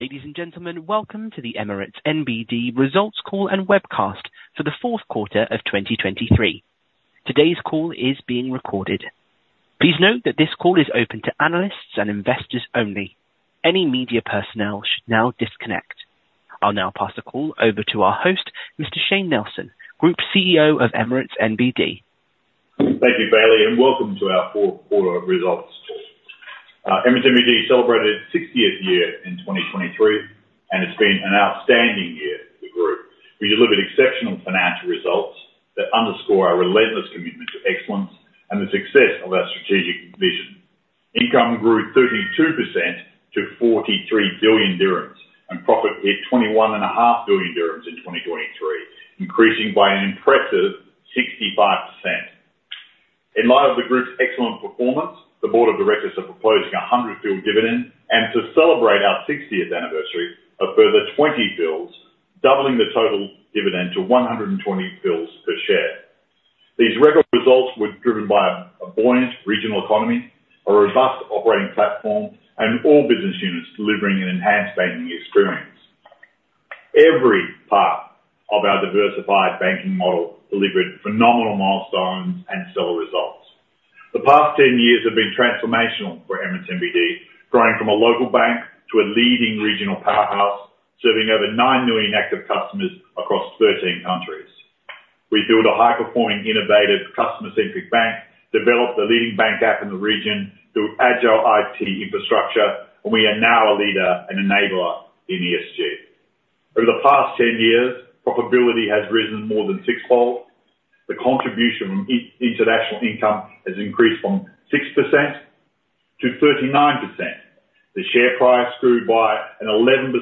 Ladies and gentlemen, welcome to the Emirates NBD Results Call and Webcast for the Q4 of 2023. Today's call is being recorded. Please note that this call is open to analysts and investors only. Any media personnel should now disconnect. I'll now pass the call over to our host, Mr. Shayne Nelson, Group CEO of Emirates NBD. Thank you, Bailey, and welcome to our Q4 results call. Emirates NBD celebrated its 60th year in 2023, and it's been an outstanding year for the group. We delivered exceptional financial results that underscore our relentless commitment to excellence and the success of our strategic vision. Income grew 32% to 43 billion dirhams, and profit hit 21.5 billion dirhams in 2023, increasing by an impressive 65%. In light of the group's excellent performance, the board of directors are proposing a 100 fils dividend, and to celebrate our 60th anniversary, a further 20 fils, doubling the total dividend to 120 fils per share. These record results were driven by a buoyant regional economy, a robust operating platform, and all business units delivering an enhanced banking experience. Every part of our diversified banking model delivered phenomenal milestones and stellar results. The past 10 years have been transformational for Emirates NBD, growing from a local bank to a leading regional powerhouse, serving over 9 million active customers across 13 countries. We built a high-performing, innovative, customer-centric bank, developed the leading bank app in the region through agile IT infrastructure, and we are now a leader and enabler in ESG. Over the past 10 years, profitability has risen more than sixfold. The contribution from international income has increased from 6% to 39%. The share price grew by an 11%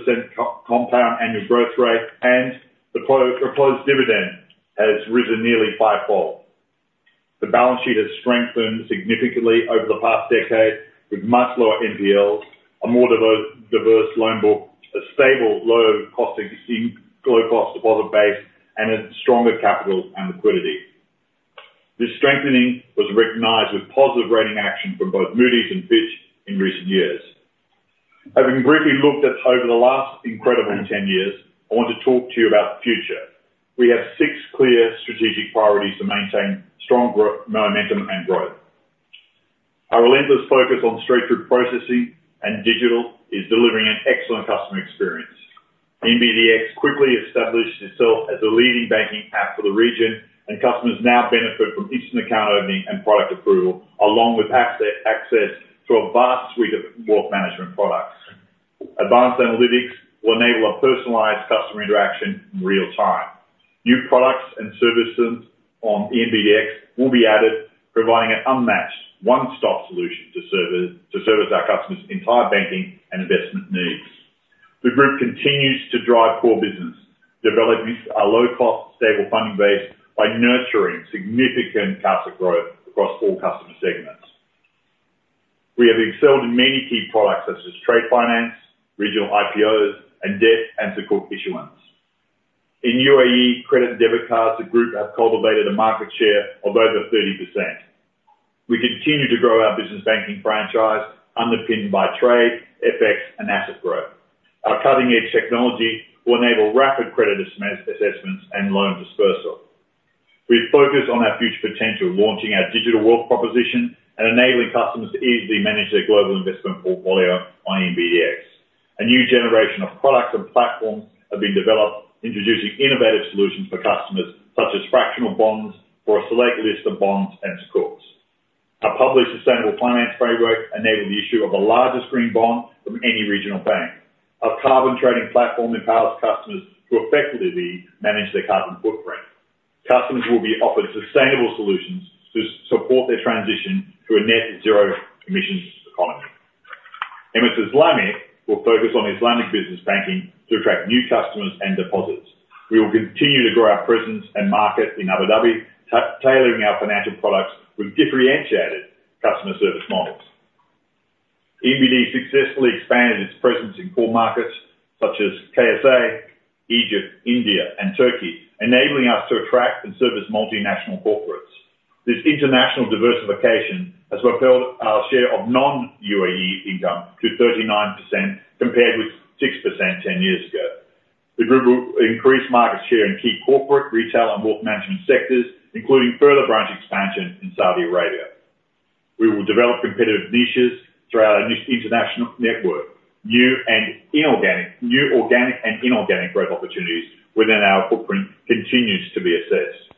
compound annual growth rate, and the proposed dividend has risen nearly fivefold. The balance sheet has strengthened significantly over the past decade, with much lower NPLs, a more diverse loan book, a stable, low-cost deposit base, and a stronger capital and liquidity. This strengthening was recognized with positive rating action from both Moody's and Fitch in recent years. Having briefly looked at over the last incredible ten years, I want to talk to you about the future. We have six clear strategic priorities to maintain strong momentum and growth. Our relentless focus on straightforward processing and digital is delivering an excellent customer experience. ENBD X quickly established itself as a leading banking app for the region, and customers now benefit from instant account opening and product approval, along with access to a vast suite of wealth management products. Advanced analytics will enable a personalized customer interaction in real time. New products and services on ENBD X will be added, providing an unmatched one-stop solution to service our customers' entire banking and investment needs. The group continues to drive core business, develop a low-cost, stable funding base by nurturing significant customer growth across all customer segments. We have excelled in many key products, such as trade finance, regional IPOs, and debt and Sukuk issuance. In UAE, credit and debit cards, the group have cultivated a market share of over 30%. We continue to grow our business banking franchise, underpinned by trade, FX, and asset growth. Our cutting-edge technology will enable rapid credit assessments and loan dispersal. We've focused on our future potential, launching our digital wealth proposition and enabling customers to easily manage their global investment portfolio on ENBD X. A new generation of products and platforms have been developed, introducing innovative solutions for customers, such as fractional bonds for a select list of bonds and Sukuks. Our public sustainable finance framework enabled the issue of the largest green bond from any regional bank. Our carbon trading platform empowers customers to effectively manage their carbon footprint. Customers will be offered sustainable solutions to support their transition to a net zero emissions economy. Emirates Islamic will focus on Islamic business banking to attract new customers and deposits. We will continue to grow our presence and market in Abu Dhabi, tailoring our financial products with differentiated customer service models. ENBD successfully expanded its presence in core markets such as KSA, Egypt, India, and Turkey, enabling us to attract and service multinational corporates. This international diversification has propelled our share of non-UAE income to 39%, compared with 6% 10 years ago. The group will increase market share in key corporate, retail, and wealth management sectors, including further branch expansion in Saudi Arabia. We will develop competitive niches through our new international network, new, organic, and inorganic growth opportunities within our footprint continues to be assessed.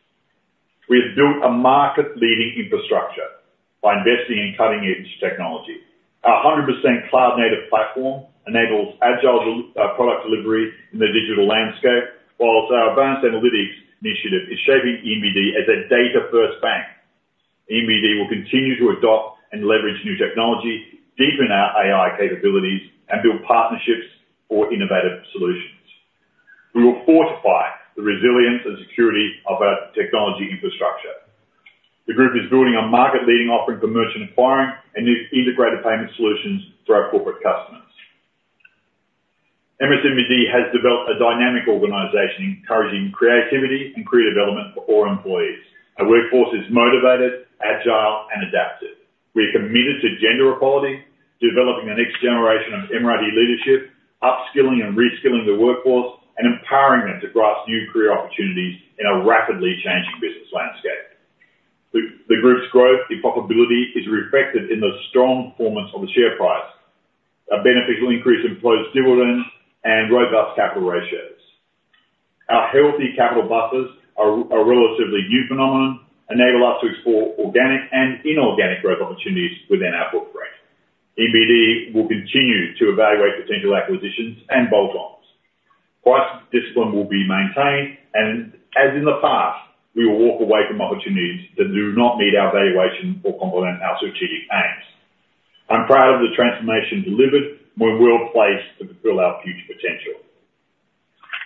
We have built a market-leading infrastructure by investing in cutting-edge technology. Our 100% cloud-native platform enables agile through product delivery in the digital landscape, while our advanced analytics initiative is shaping ENBD as a data-first bank. ENBD will continue to adopt and leverage new technology, deepen our AI capabilities, and build partnerships for innovative solutions. We will fortify the resilience and security of our technology infrastructure. The group is building a market-leading offering for merchant acquiring and new integrated payment solutions for our corporate customers. Emirates NBD has developed a dynamic organization, encouraging creativity and career development for all employees. Our workforce is motivated, agile, and adaptive. We are committed to gender equality, developing the next generation of NBD leadership, upskilling and reskilling the workforce, and empowering them to grasp new career opportunities in a rapidly changing business landscape. The group's growth, the profitability, is reflected in the strong performance of the share price, a beneficial increase in employee dividends, and robust capital ratios. Our healthy capital buffers are a relatively new phenomenon, enable us to explore organic and inorganic growth opportunities within our footprint. ENBD will continue to evaluate potential acquisitions and bolt-ons. Price discipline will be maintained, and as in the past, we will walk away from opportunities that do not meet our valuation or complement our strategic aims. I'm proud of the transformation delivered. We're well-placed to fulfill our future potential.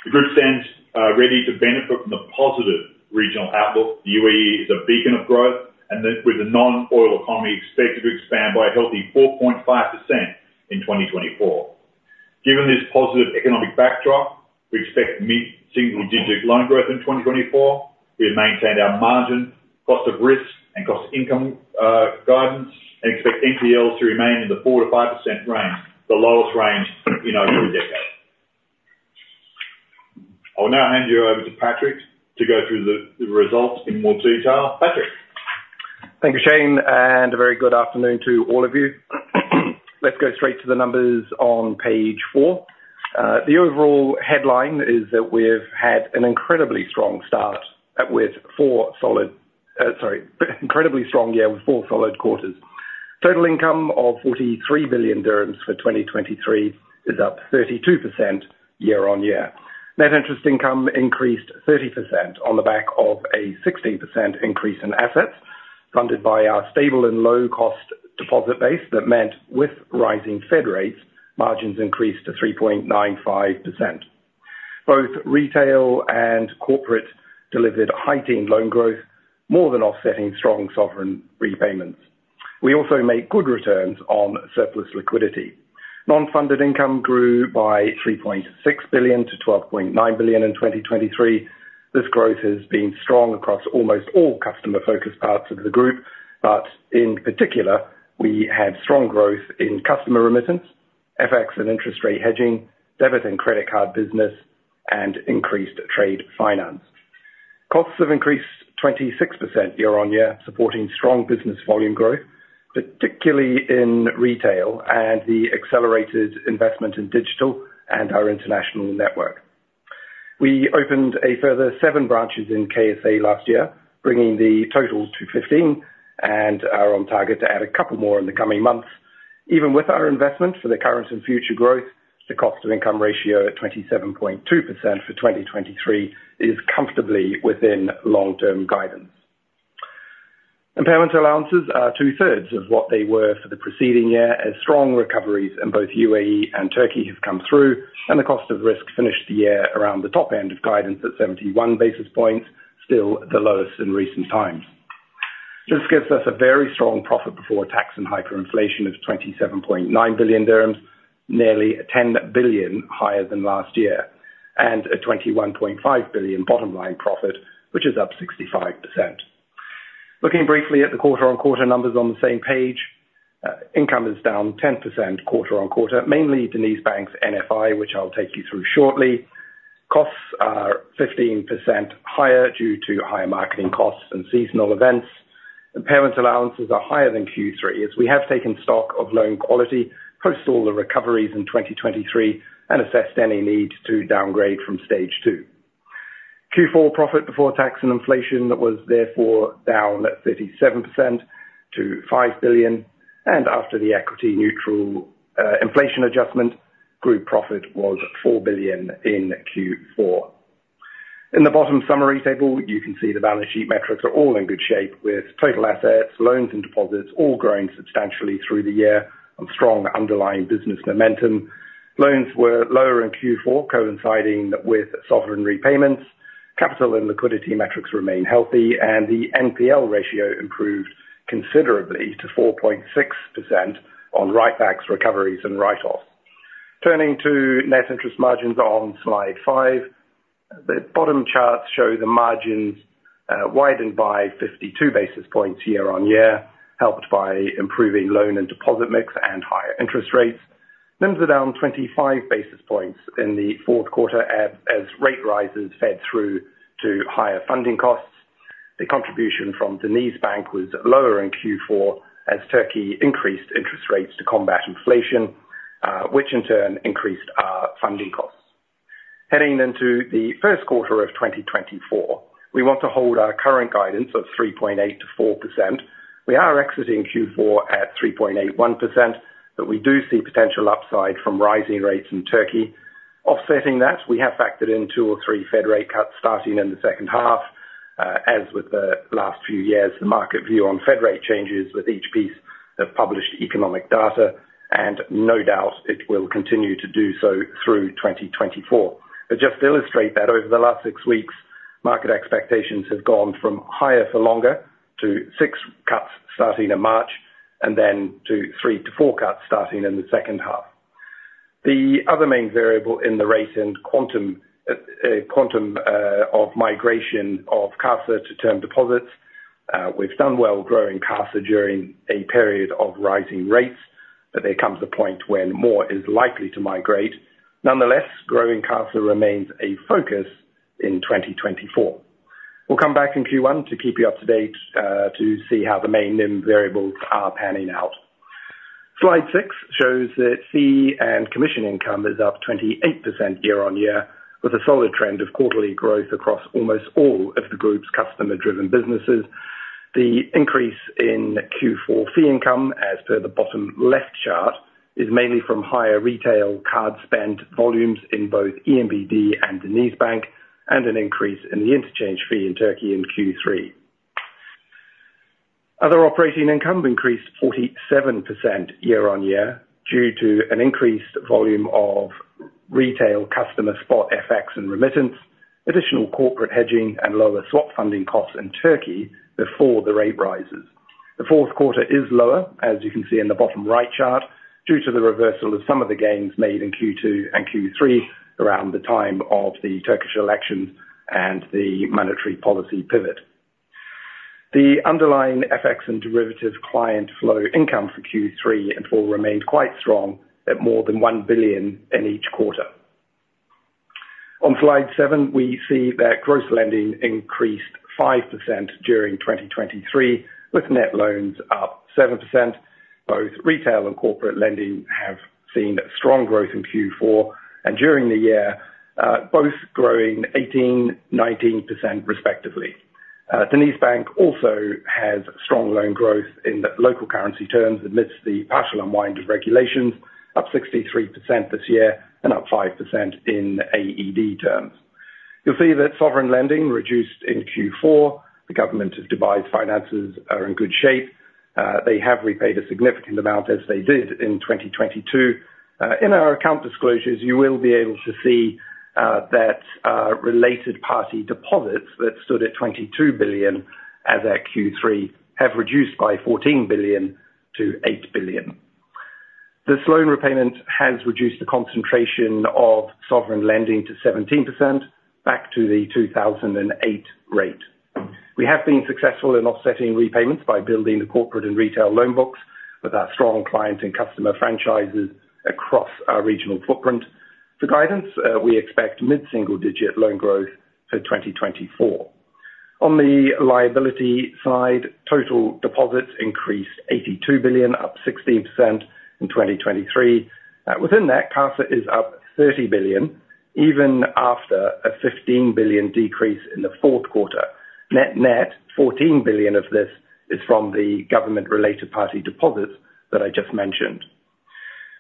The group stands ready to benefit from the positive regional outlook. The UAE is a beacon of growth, and with a non-oil economy expected to expand by a healthy 4.5% in 2024. Given this positive economic backdrop, we expect mid-single digit loan growth in 2024. We have maintained our margin, cost of risk, and cost of income guidance, and expect NPLs to remain in the 4%-5% range, the lowest range in over a decade. I will now hand you over to Patrick to go through the results in more detail. Patrick? Thank you, Shayne, and a very good afternoon to all of you. Let's go straight to the numbers on page four. The overall headline is that we've had an incredibly strong start with four solid quarters. Total income of 43 billion dirhams for 2023 is up 32% year-on-year. Net interest income increased 30% on the back of a 16% increase in assets, funded by our stable and low-cost deposit base. That meant with rising Fed rates, margins increased to 3.95%. Both retail and corporate delivered heightened loan growth, more than offsetting strong sovereign repayments. We also made good returns on surplus liquidity. Non-funded income grew by 3.6 billion to 12.9 billion in 2023. This growth has been strong across almost all customer-focused parts of the group, but in particular, we had strong growth in customer remittance, FX and interest rate hedging, debit and credit card business, and increased trade finance. Costs have increased 26% year-on-year, supporting strong business volume growth, particularly in retail and the accelerated investment in digital and our international network. We opened a further seven branches in KSA last year, bringing the totals to 15, and are on target to add a couple more in the coming months. Even with our investment for the current and future growth, the cost of income ratio at 27.2% for 2023 is comfortably within long-term guidance. Impairment allowances are 2/3 of what they were for the preceding year, as strong recoveries in both UAE and Turkey have come through, and the cost of risk finished the year around the top end of guidance at 71 basis points, still the lowest in recent times. This gives us a very strong profit before tax and hyperinflation of 27.9 billion dirhams, nearly 10 billion higher than last year, and a 21.5 billion bottom line profit, which is up 65%. Looking briefly at the quarter-on-quarter numbers on the same page, income is down 10% quarter-on-quarter, mainly DenizBank's NFI, which I'll take you through shortly. Costs are 15% higher due to higher marketing costs and seasonal events. Impairment allowances are higher than Q3, as we have taken stock of loan quality post all the recoveries in 2023 and assessed any need to downgrade from stage 2. Q4 profit before tax and inflation was therefore down at 37% to 5 billion, and after the equity neutral, inflation adjustment, group profit was 4 billion in Q4. In the bottom summary table, you can see the balance sheet metrics are all in good shape, with total assets, loans, and deposits all growing substantially through the year on strong underlying business momentum. Loans were lower in Q4, coinciding with sovereign repayments. Capital and liquidity metrics remain healthy, and the NPL ratio improved considerably to 4.6% on write-backs, recoveries, and write-offs. Turning to net interest margins on slide 5, the bottom charts show the margins widened by 52 basis points year-on-year, helped by improving loan and deposit mix and higher interest rates. NIMs are down 25 basis points in the Q4, as rate rises fed through to higher funding costs. The contribution from DenizBank was lower in Q4 as Turkey increased interest rates to combat inflation, which in turn increased our funding costs. Heading into the Q1 of 2024, we want to hold our current guidance of 3.8%-4%. We are exiting Q4 at 3.81%, but we do see potential upside from rising rates in Turkey. Offsetting that, we have factored in 2 or 3 Fed rate cuts starting in the second half. As with the last few years, the market view on Fed rate changes with each piece of published economic data, and no doubt it will continue to do so through 2024. Just to illustrate that, over the last six weeks, market expectations have gone from higher for longer to 6 cuts starting in March, and then to 3 to 4 cuts starting in the second half. The other main variable in the rate and quantum of migration of CASA to term deposits, we've done well growing CASA during a period of rising rates, but there comes a point when more is likely to migrate. Nonetheless, growing CASA remains a focus in 2024. We'll come back in Q1 to keep you up to date, to see how the main NIM variables are panning out. Slide 6 shows that fee and commission income is up 28% year-on-year, with a solid trend of quarterly growth across almost all of the group's customer-driven businesses. The increase in Q4 fee income, as per the bottom left chart, is mainly from higher retail card spend volumes in both ENBD and DenizBank, and an increase in the interchange fee in Turkey in Q3. Other operating income increased 47% year-on-year, due to an increased volume of retail customer spot, FX and remittance, additional corporate hedging, and lower swap funding costs in Turkey before the rate rises. The Q4 is lower, as you can see in the bottom right chart, due to the reversal of some of the gains made in Q2 and Q3 around the time of the Turkish election and the monetary policy pivot. The underlying FX and derivatives client flow income for Q3 and Q4 remained quite strong at more than 1 billion in each quarter. On slide 7, we see that gross lending increased 5% during 2023, with net loans up 7%. Both retail and corporate lending have seen strong growth in Q4, and during the year, both growing 18%, 19% respectively. DenizBank also has strong loan growth in the local currency terms amidst the partial unwind of regulations, up 63% this year and up 5% in AED terms. You'll see that sovereign lending reduced in Q4. The government of Dubai's finances are in good shape. They have repaid a significant amount, as they did in 2022. In our account disclosures, you will be able to see that related party deposits that stood at 22 billion as at Q3 have reduced by 14 billion to 8 billion. This loan repayment has reduced the concentration of sovereign lending to 17% back to the 2008 rate. We have been successful in offsetting repayments by building the corporate and retail loan books with our strong client and customer franchises across our regional footprint. For guidance, we expect mid-single-digit loan growth for 2024. On the liability side, total deposits increased 82 billion, up 16% in 2023. Within that, CASA is up 30 billion, even after a 15 billion decrease in the Q4. Net-net, 14 billion of this is from the government-related party deposits that I just mentioned.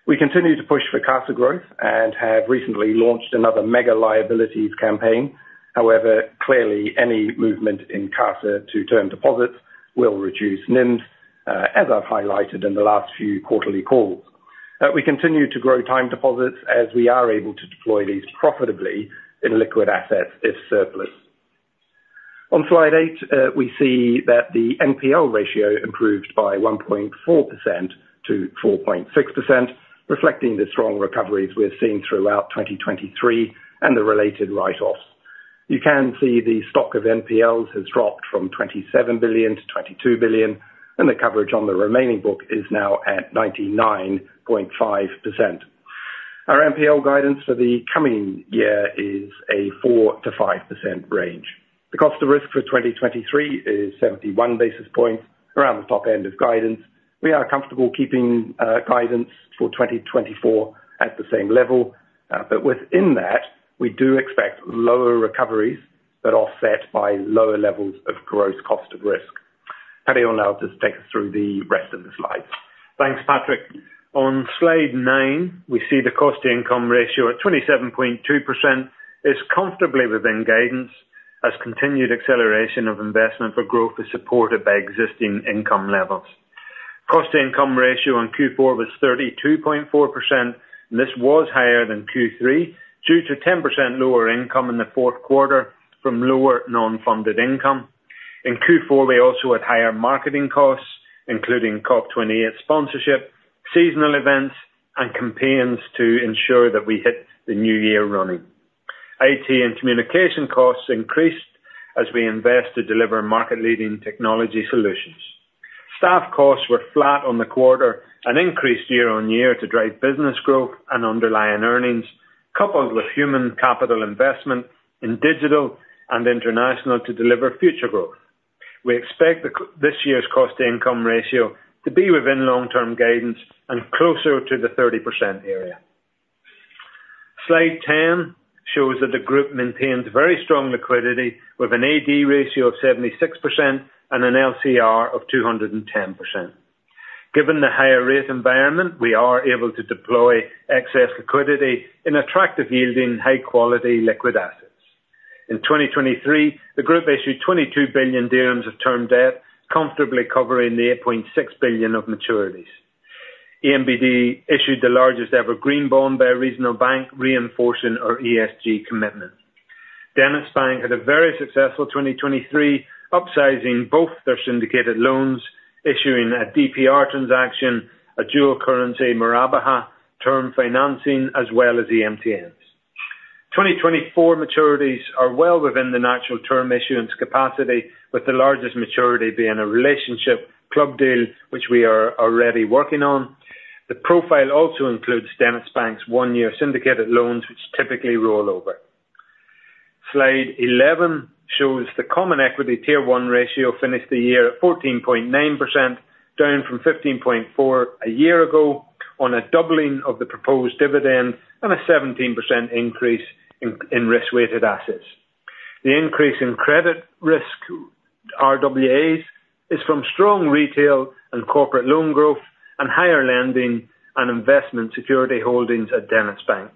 We continue to push for CASA growth and have recently launched another mega liabilities campaign. However, clearly, any movement in CASA to term deposits will reduce NIMs, as I've highlighted in the last few quarterly calls. We continue to grow time deposits as we are able to deploy these profitably in liquid assets if surplus. On slide 8, we see that the NPL ratio improved by 1.4% to 4.6%, reflecting the strong recoveries we're seeing throughout 2023 and the related write-offs. You can see the stock of NPLs has dropped from 27 billion to 22 billion, and the coverage on the remaining book is now at 99.5%. Our NPL guidance for the coming year is a 4%-5% range. The cost of risk for 2023 is 71 basis points around the top end of guidance. We are comfortable keeping guidance for 2024 at the same level, but within that, we do expect lower recoveries that are offset by lower levels of gross cost of risk. Paddy will now just take us through the rest of the slides. Thanks, Patrick. On slide 9, we see the cost to income ratio at 27.2% is comfortably within guidance, as continued acceleration of investment for growth is supported by existing income levels. Cost to income ratio in Q4 was 32.4%, and this was higher than Q3 due to 10% lower income in the Q4 from lower non-funded income. In Q4, we also had higher marketing costs, including COP28 sponsorship, seasonal events, and campaigns to ensure that we hit the new year running. IT and communication costs increased as we invest to deliver market-leading technology solutions. Staff costs were flat on the quarter and increased year-on-year to drive business growth and underlying earnings, coupled with human capital investment in digital and international to deliver future growth. We expect this year's cost to income ratio to be within long-term guidance and closer to the 30% area. Slide 10 shows that the group maintains very strong liquidity with an AD ratio of 76% and an LCR of 210%. Given the higher rate environment, we are able to deploy excess liquidity in attractive-yielding, high-quality liquid assets. In 2023, the group issued 22 billion dirhams of term debt, comfortably covering the 8.6 billion of maturities. ENBD issued the largest ever green bond by a regional bank, reinforcing our ESG commitment. DenizBank had a very successful 2023, upsizing both their syndicated loans, issuing a DPR transaction, a dual currency Murabaha term financing, as well as the MTNs. 2024 maturities are well within the natural term issuance capacity, with the largest maturity being a relationship club deal, which we are already working on. The profile also includes DenizBank's 1-year syndicated loans, which typically roll over. Slide 11 shows the Common Equity Tier 1 ratio finished the year at 14.9%, down from 15.4% a year ago, on a doubling of the proposed dividend and a 17% increase in risk-weighted assets. The increase in credit risk RWAs is from strong retail and corporate loan growth and higher lending and investment security holdings at DenizBank.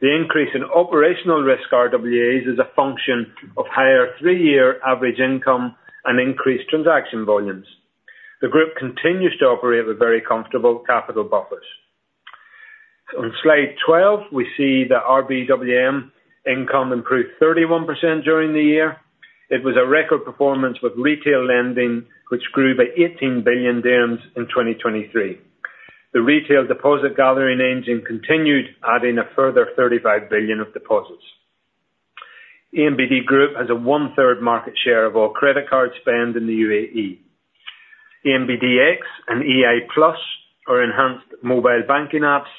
The increase in operational risk RWAs is a function of higher 3-year average income and increased transaction volumes. The group continues to operate with very comfortable capital buffers. On Slide 12, we see that RBWM income improved 31% during the year. It was a record performance with retail lending, which grew by 18 billion dirhams in 2023. The retail deposit gathering engine continued, adding a further 35 billion of deposits. ENBD Group has a one-third market share of all credit card spend in the UAE. ENBD X and EI+ are enhanced mobile banking apps,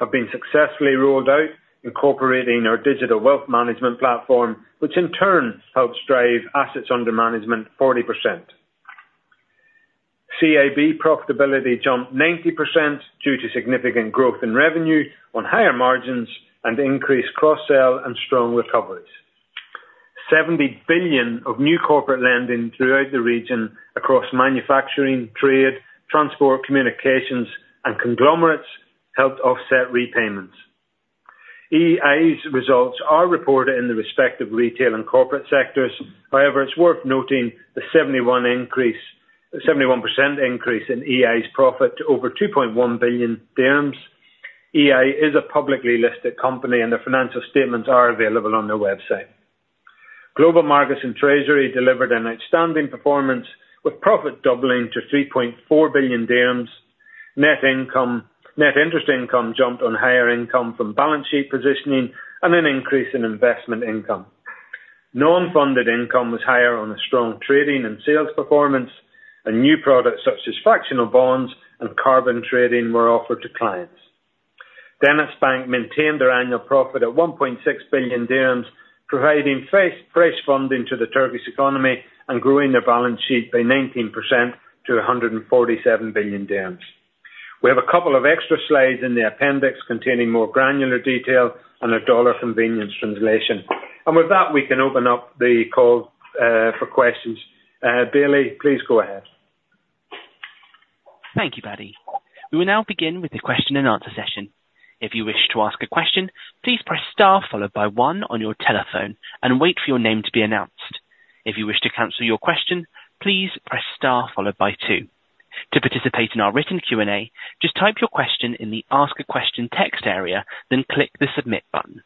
have been successfully rolled out, incorporating our digital wealth management platform, which in turn helps drive assets under management 40%. CIB profitability jumped 90% due to significant growth in revenue on higher margins and increased cross-sell and strong recoveries. 70 billion of new corporate lending throughout the region, across manufacturing, trade, transport, communications, and conglomerates, helped offset repayments. EI's results are reported in the respective retail and corporate sectors. However, it's worth noting the 71% increase in EI's profit to over 2.1 billion dirhams. EI is a publicly listed company, and the financial statements are available on their website. Global Markets and Treasury delivered an outstanding performance, with profit doubling to 3.4 billion dirhams. Net interest income jumped on higher income from balance sheet positioning and an increase in investment income. Non-funded income was higher on a strong trading and sales performance, and new products such as fractional bonds and carbon trading were offered to clients. DenizBank maintained their annual profit at 1.6 billion dirhams, providing fresh funding to the Turkish economy and growing their balance sheet by 19% to 147 billion. We have a couple of extra slides in the appendix containing more granular detail and a dollar convenience translation. And with that, we can open up the call for questions. Bailey, please go ahead. Thank you, Paddy. We will now begin with the question and answer session. If you wish to ask a question, please press star followed by one on your telephone and wait for your name to be announced. If you wish to cancel your question, please press star followed by two. To participate in our written Q&A, just type your question in the Ask a Question text area, then click the Submit button.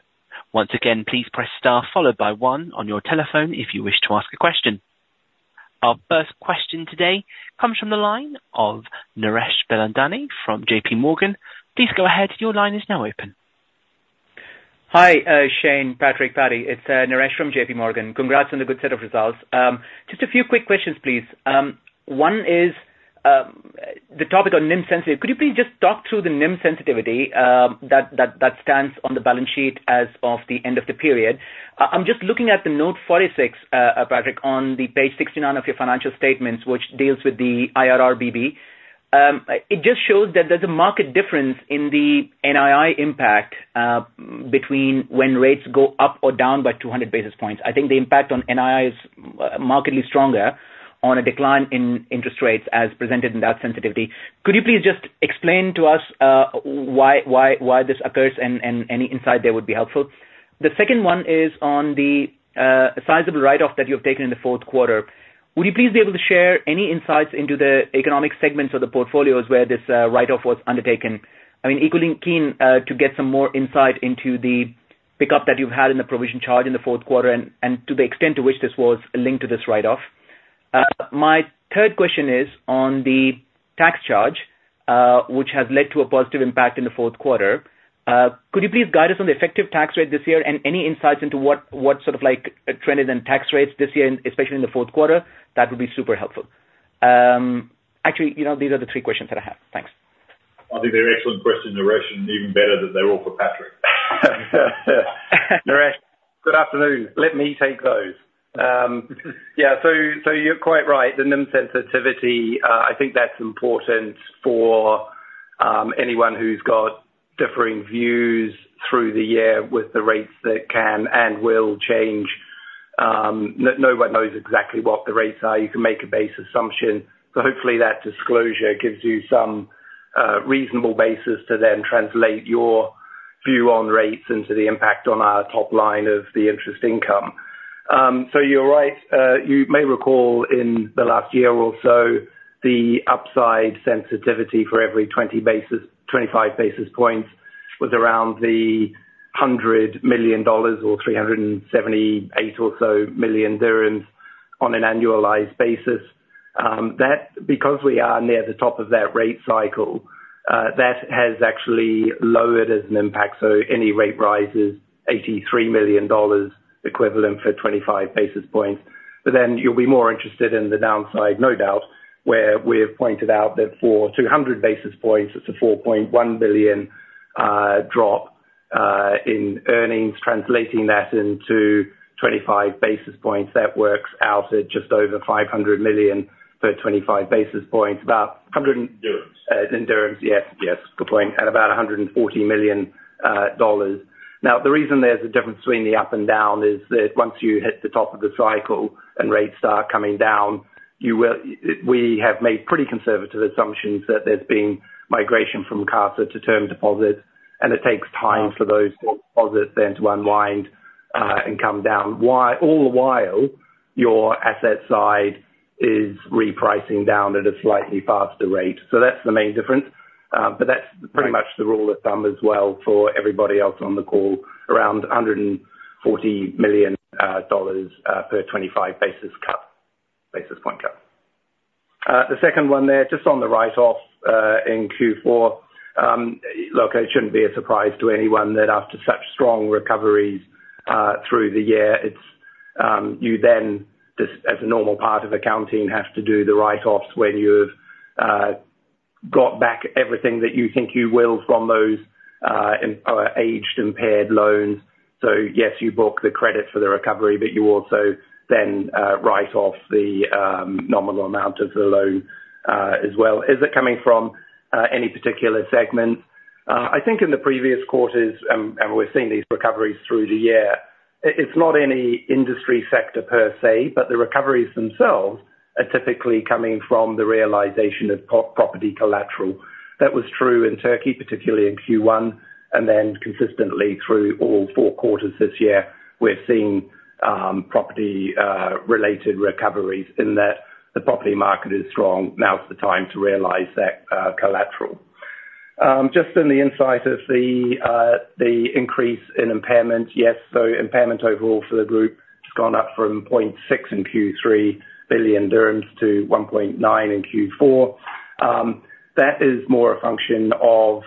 Once again, please press star followed by one on your telephone if you wish to ask a question. Our first question today comes from the line of Naresh Bilandani from JPMorgan. Please go ahead. Your line is now open. Hi, Shayne, Patrick, Paddy, it's Naresh from JPMorgan. Congrats on the good set of results. Just a few quick questions, please. One is the topic on NIM sensitivity. Could you please just talk through the NIM sensitivity that stands on the balance sheet as of the end of the period? I'm just looking at the note 46, Patrick, on the page 69 of your financial statements, which deals with the IRRBB. It just shows that there's a marked difference in the NII impact between when rates go up or down by 200 basis points. I think the impact on NII is markedly stronger on a decline in interest rates as presented in that sensitivity. Could you please just explain to us why this occurs? Any insight there would be helpful. The second one is on the sizable write-off that you've taken in the Q4. Would you please be able to share any insights into the economic segments of the portfolios where this write-off was undertaken? I mean, equally keen to get some more insight into the pickup that you've had in the provision charge in the Q4 and to the extent to which this was linked to this write-off. My third question is on the tax charge, which has led to a positive impact in the Q4. Could you please guide us on the effective tax rate this year and any insights into what sort of like trends in tax rates this year, and especially in the Q4? That would be super helpful. Actually, you know, these are the three questions that I have. Thanks. I think they're excellent questions, Naresh, and even better that they're all for Patrick. Naresh, good afternoon. Let me take those. Yeah, so, so you're quite right. The NIM sensitivity, I think that's important for anyone who's got differing views through the year with the rates that can and will change. Nobody knows exactly what the rates are. You can make a base assumption, so hopefully that disclosure gives you some reasonable basis to then translate your view on rates into the impact on our top line of the interest income. So you're right. You may recall in the last year or so, the upside sensitivity for every 20 basis, 25 basis points was around $100 million or 378 million or so on an annualized basis. That, because we are near the top of that rate cycle, that has actually lowered as an impact, so any rate rises, $83 million equivalent for 25 basis points. But then you'll be more interested in the downside, no doubt, where we have pointed out that for 200 basis points, it's a $4.1 billion drop in earnings. Translating that into 25 basis points, that works out at just over $500 million for 25 basis points, about 100 and- Dirhams. In dirhams, yes, yes. Good point. At about $140 million. Now, the reason there's a difference between the up and down is that once you hit the top of the cycle and rates start coming down, we have made pretty conservative assumptions that there's been migration from CASA to term deposits, and it takes time for those deposits then to unwind and come down. While all the while, your asset side is repricing down at a slightly faster rate. So that's the main difference. But that's pretty much the rule of thumb as well for everybody else on the call, around $140 million per 25 basis point cut. The second one there, just on the write-off in Q4. Look, it shouldn't be a surprise to anyone that after such strong recoveries through the year, it's you then, just as a normal part of accounting, have to do the write-offs when you've got back everything that you think you will from those aged, impaired loans. So yes, you book the credit for the recovery, but you also then write off the nominal amount of the loan as well. Is it coming from any particular segment? I think in the previous quarters, and we're seeing these recoveries through the year, it's not any industry sector per se, but the recoveries themselves are typically coming from the realization of property collateral. That was true in Turkey, particularly in Q1, and then consistently through all four quarters this year, we're seeing property related recoveries in that the property market is strong. Now's the time to realize that collateral. Just on the insight of the the increase in impairment, yes, so impairment overall for the group has gone up from 0.6 billion dirhams in Q3 to 1.9 billion in Q4. That is more a function of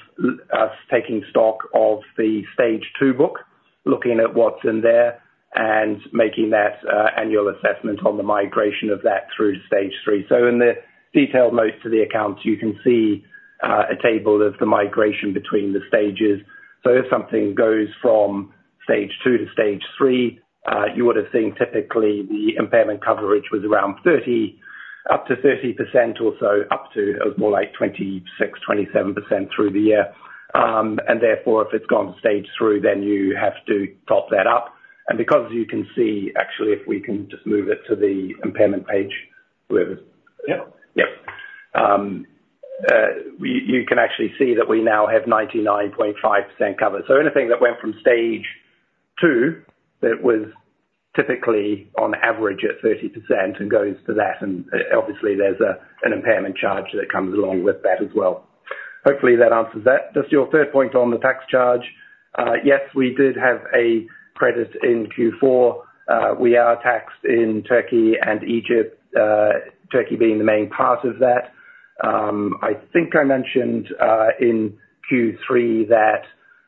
us taking stock of the stage 2 book, looking at what's in there and making that annual assessment on the migration of that through to stage 3. So in the detailed notes to the accounts, you can see a table of the migration between the stages. So if something goes from stage 2 to stage 3, you would have seen typically the impairment coverage was around 30%, up to 30% or so, up to more like 26%-27% through the year. And therefore, if it's gone stage 3, then you have to top that up. And because you can see- actually, if we can just move it to the impairment page, whoever. Yeah. Yep. We, you can actually see that we now have 99.5% cover. So anything that went from stage 2, that was typically on average at 30% and goes to that, and obviously there's a, an impairment charge that comes along with that as well. Hopefully, that answers that. Just your third point on the tax charge. Yes, we did have a credit in Q4. We are taxed in Turkey and Egypt, Turkey being the main part of that. I think I mentioned in Q3 that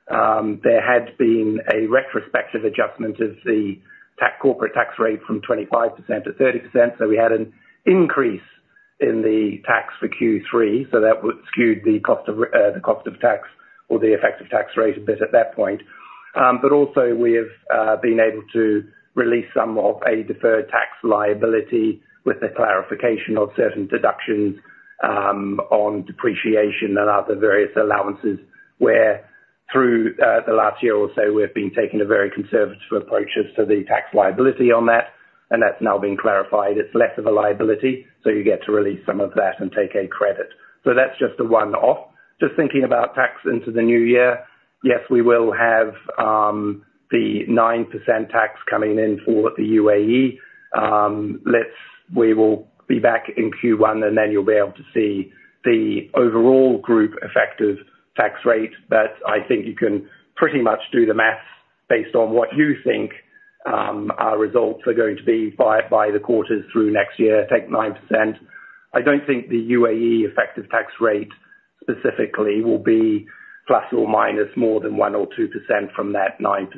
there had been a retrospective adjustment of the tax, corporate tax rate from 25% to 30%, so we had an increase in the tax for Q3, so that would skew the cost of, the cost of tax or the effective tax rate a bit at that point. But also we have been able to release some of a deferred tax liability with the clarification of certain deductions on depreciation and other various allowances, where through the last year or so, we've been taking a very conservative approach as to the tax liability on that, and that's now been clarified. It's less of a liability, so you get to release some of that and take a credit. So that's just a one-off. Just thinking about tax into the new year, yes, we will have the 9% tax coming in for the UAE. We will be back in Q1, and then you'll be able to see the overall group effective tax rate, but I think you can pretty much do the math based on what you think our results are going to be by the quarters through next year, take 9%. I don't think the UAE effective tax rate specifically will be ± more than 1 or 2% from that 9%,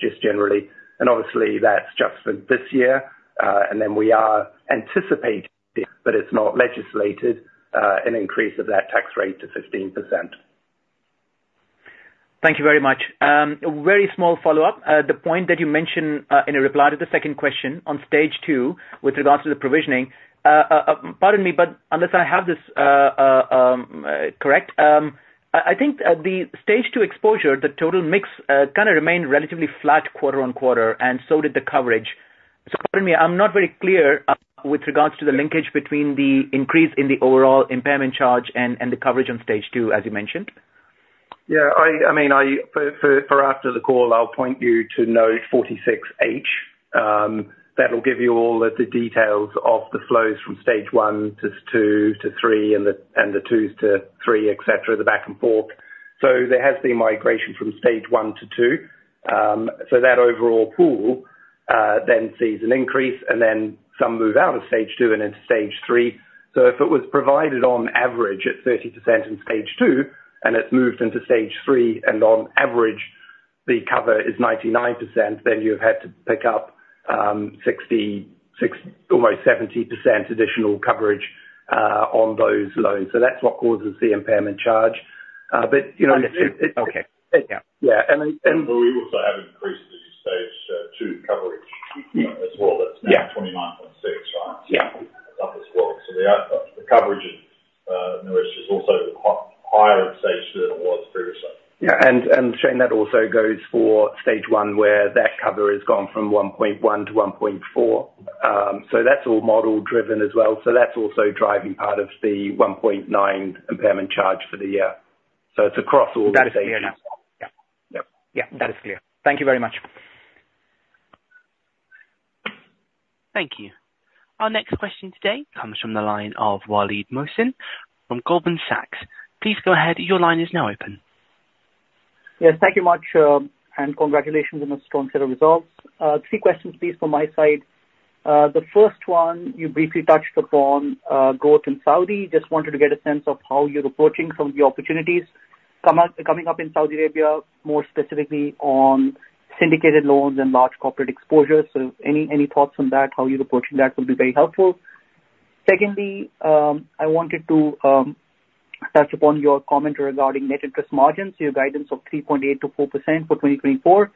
just generally. And obviously, that's just for this year. And then we are anticipating, but it's not legislated, an increase of that tax rate to 15%. Thank you very much. A very small follow-up. The point that you mentioned in a reply to the second question on stage 2, with regards to the provisioning. Pardon me, but unless I have this correct, I think the stage 2 exposure, the total mix kind of remained relatively flat quarter-on-quarter, and so did the coverage. So pardon me, I'm not very clear with regards to the linkage between the increase in the overall impairment charge and the coverage on stage 2, as you mentioned. Yeah, I mean, for after the call, I'll point you to note 46H. That'll give you all the details of the flows from stage 1 to 2 to 3 and the 2s to 3, et cetera, the back and forth. So there has been migration from stage 1 to 2. So that overall pool then sees an increase, and then some move out of stage 2 and into stage 3. So if it was provided on average at 30% in stage 2, and it's moved into stage 3, and on average the cover is 99%, then you've had to pick up 66-almost 70% additional coverage on those loans. So that's what causes the impairment charge. But, you know- Okay. Yeah. Yeah, and then- Well, we also have increased the stage 2 coverage as well. Yeah. That's now 29.6, right? Yeah. The coverage, which is also quite higher at stage 2 than it was previously. Yeah, and, and Shayne, that also goes for stage 1, where that cover has gone from 1.1 to 1.4. So that's all model driven as well. So that's also driving part of the 1.9 impairment charge for the year. So it's across all the Stages. That is clear now. Yeah. Yeah, that is clear. Thank you very much. Thank you. Our next question today comes from the line of Waleed Mohsin from Goldman Sachs. Please go ahead. Your line is now open. Yes, thank you much, and congratulations on the strong set of results. Three questions, please, from my side. The first one, you briefly touched upon, growth in Saudi. Just wanted to get a sense of how you're approaching some of the opportunities coming up in Saudi Arabia, more specifically on syndicated loans and large corporate exposure. So any thoughts on that, how you're approaching that, would be very helpful. Secondly, I wanted to touch upon your comment regarding net interest margins, your guidance of 3.8%-4% for 2024.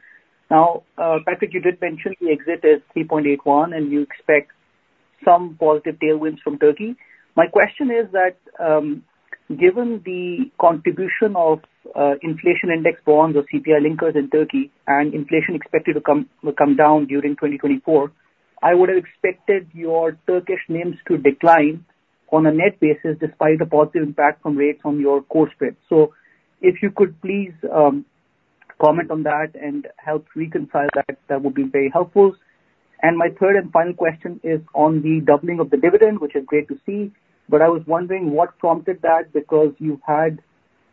Now, Patrick, you did mention the exit is 3.81, and you expect some positive tailwinds from Turkey. My question is that, given the contribution of inflation index bonds or CPI linkers in Turkey, and inflation expected to come down during 2024, I would have expected your Turkish NIMs to decline on a net basis, despite the positive impact from rates on your core spread. So if you could please comment on that and help reconcile that, that would be very helpful. And my third and final question is on the doubling of the dividend, which is great to see, but I was wondering what prompted that, because you've had,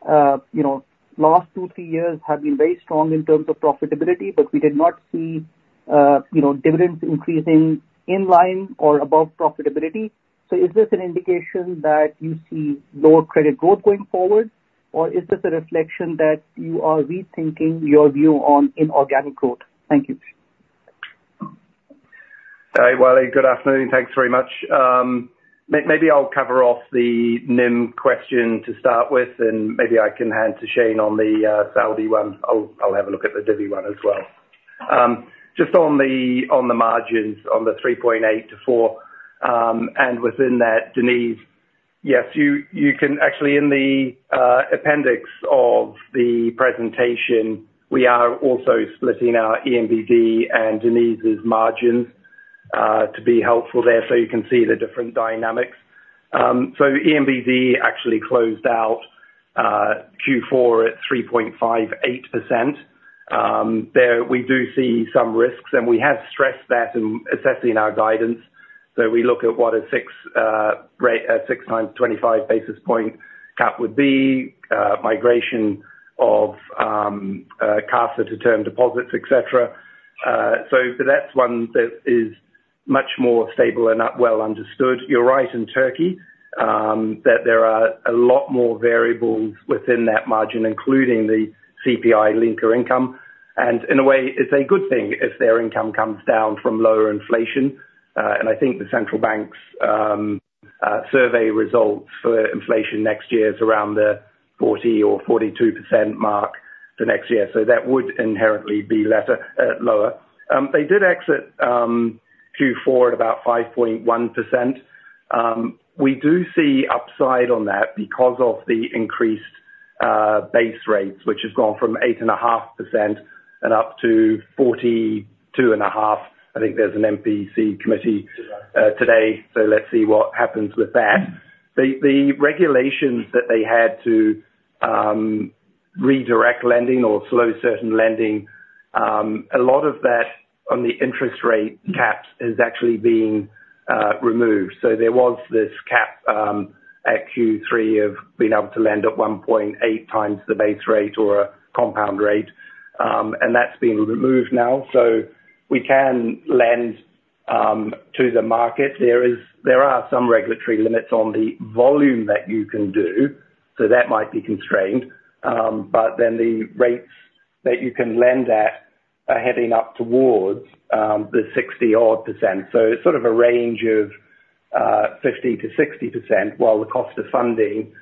you know, last two, three years have been very strong in terms of profitability, but we did not see, you know, dividends increasing in line or above profitability. So is this an indication that you see lower credit growth going forward, or is this a reflection that you are rethinking your view on inorganic growth? Thank you. Hi, Waleed. Good afternoon. Thanks very much. Maybe I'll cover off the NIM question to start with, and maybe I can hand to Shayne on the Saudi one. I'll have a look at the divvy one as well. Just on the margins, on the 3.8%-4%, and within that, Deniz, yes, you can actually, in the appendix of the presentation, we are also splitting our Emirates NBD and Deniz's margins to be helpful there, so you can see the different dynamics. So Emirates NBD actually closed out Q4 at 3.58%. There we do see some risks, and we have stressed that in assessing our guidance. So we look at what a 6 times 25 basis point cap would be, migration of CASA to term deposits, et cetera. So that's one that is much more stable and not well understood. You're right, in Turkey, that there are a lot more variables within that margin, including the CPI linkers income. And in a way, it's a good thing if their income comes down from lower inflation. And I think the central bank's survey results for inflation next year is around the 40% or 42% mark for next year. So that would inherently be lesser, lower. They did exit Q4 at about 5.1%. We do see upside on that because of the increased base rates, which has gone from 8.5% and up to 42.5%. I think there's an MPC committee today, so let's see what happens with that. The regulations that they had to redirect lending or slow certain lending, a lot of that on the interest rate caps is actually being removed. So there was this cap at Q3 of being able to lend at 1.8 times the base rate or a compound rate, and that's been removed now. So we can lend to the market. There are some regulatory limits on the volume that you can do, so that might be constrained. But then the rates that you can lend at are heading up towards the 60% odd. So sort of a range of 50%-60%, while the cost of funding,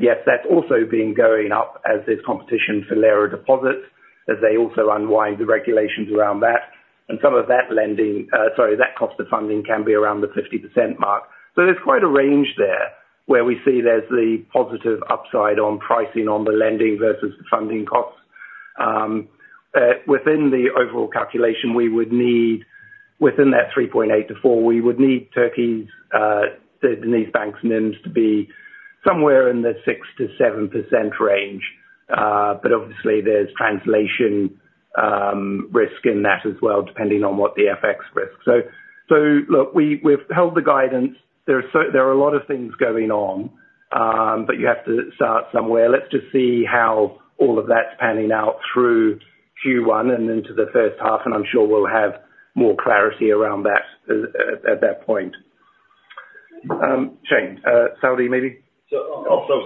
yes, that's also been going up as there's competition for lower deposits, as they also unwind the regulations around that. And some of that lending, sorry, that cost of funding can be around the 50% mark. So there's quite a range there, where we see there's the positive upside on pricing on the lending versus the funding costs, within the overall calculation, we would need, within that 3.8-4, we would need Turkey's these banks' NIMs to be somewhere in the 6%-7% range. But obviously there's translation risk in that as well, depending on what the FX risk. So look, we've held the guidance. There are a lot of things going on, but you have to start somewhere. Let's just see how all of that's panning out through Q1 and into the first half, and I'm sure we'll have more clarity around that, at that point. Shayne, Saudi, maybe? So, I'll start.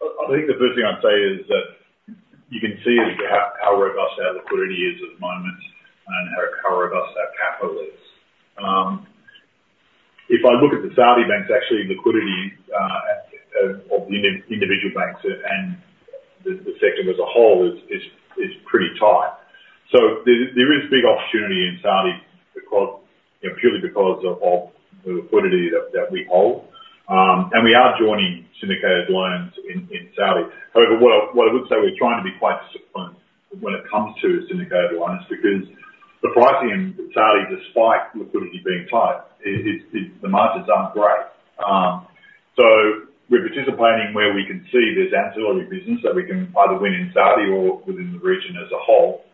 I think the first thing I'd say is that you can see just how robust our liquidity is at the moment and how robust our capital is. If I look at the Saudi banks, actually, liquidity at the individual banks and the sector as a whole is pretty tight. So there is big opportunity in Saudi because, you know, purely because of the liquidity that we hold. And we are joining syndicated loans in Saudi. However, what I would say, we're trying to be quite disciplined when it comes to syndicated loans, because the pricing in Saudi, despite liquidity being tight, is the margins aren't great. So we're participating where we can see there's absolutely business that we can either win in Saudi or within the region as a whole.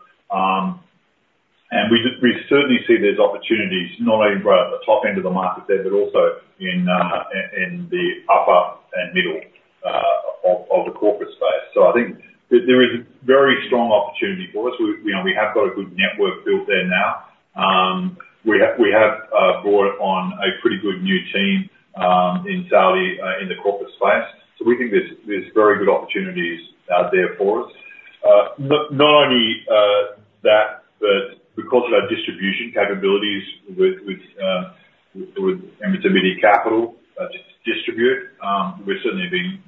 And we just we certainly see there's opportunities not only right at the top end of the market there, but also in the upper and middle of the corporate space. So I think there is very strong opportunity for us. We, you know, we have got a good network built there now. We have, we have brought on a pretty good new team in Saudi in the corporate space. So we think there's very good opportunities out there for us. But not only that, but because of our distribution capabilities with Emirates NBD Capital to distribute, we're certainly being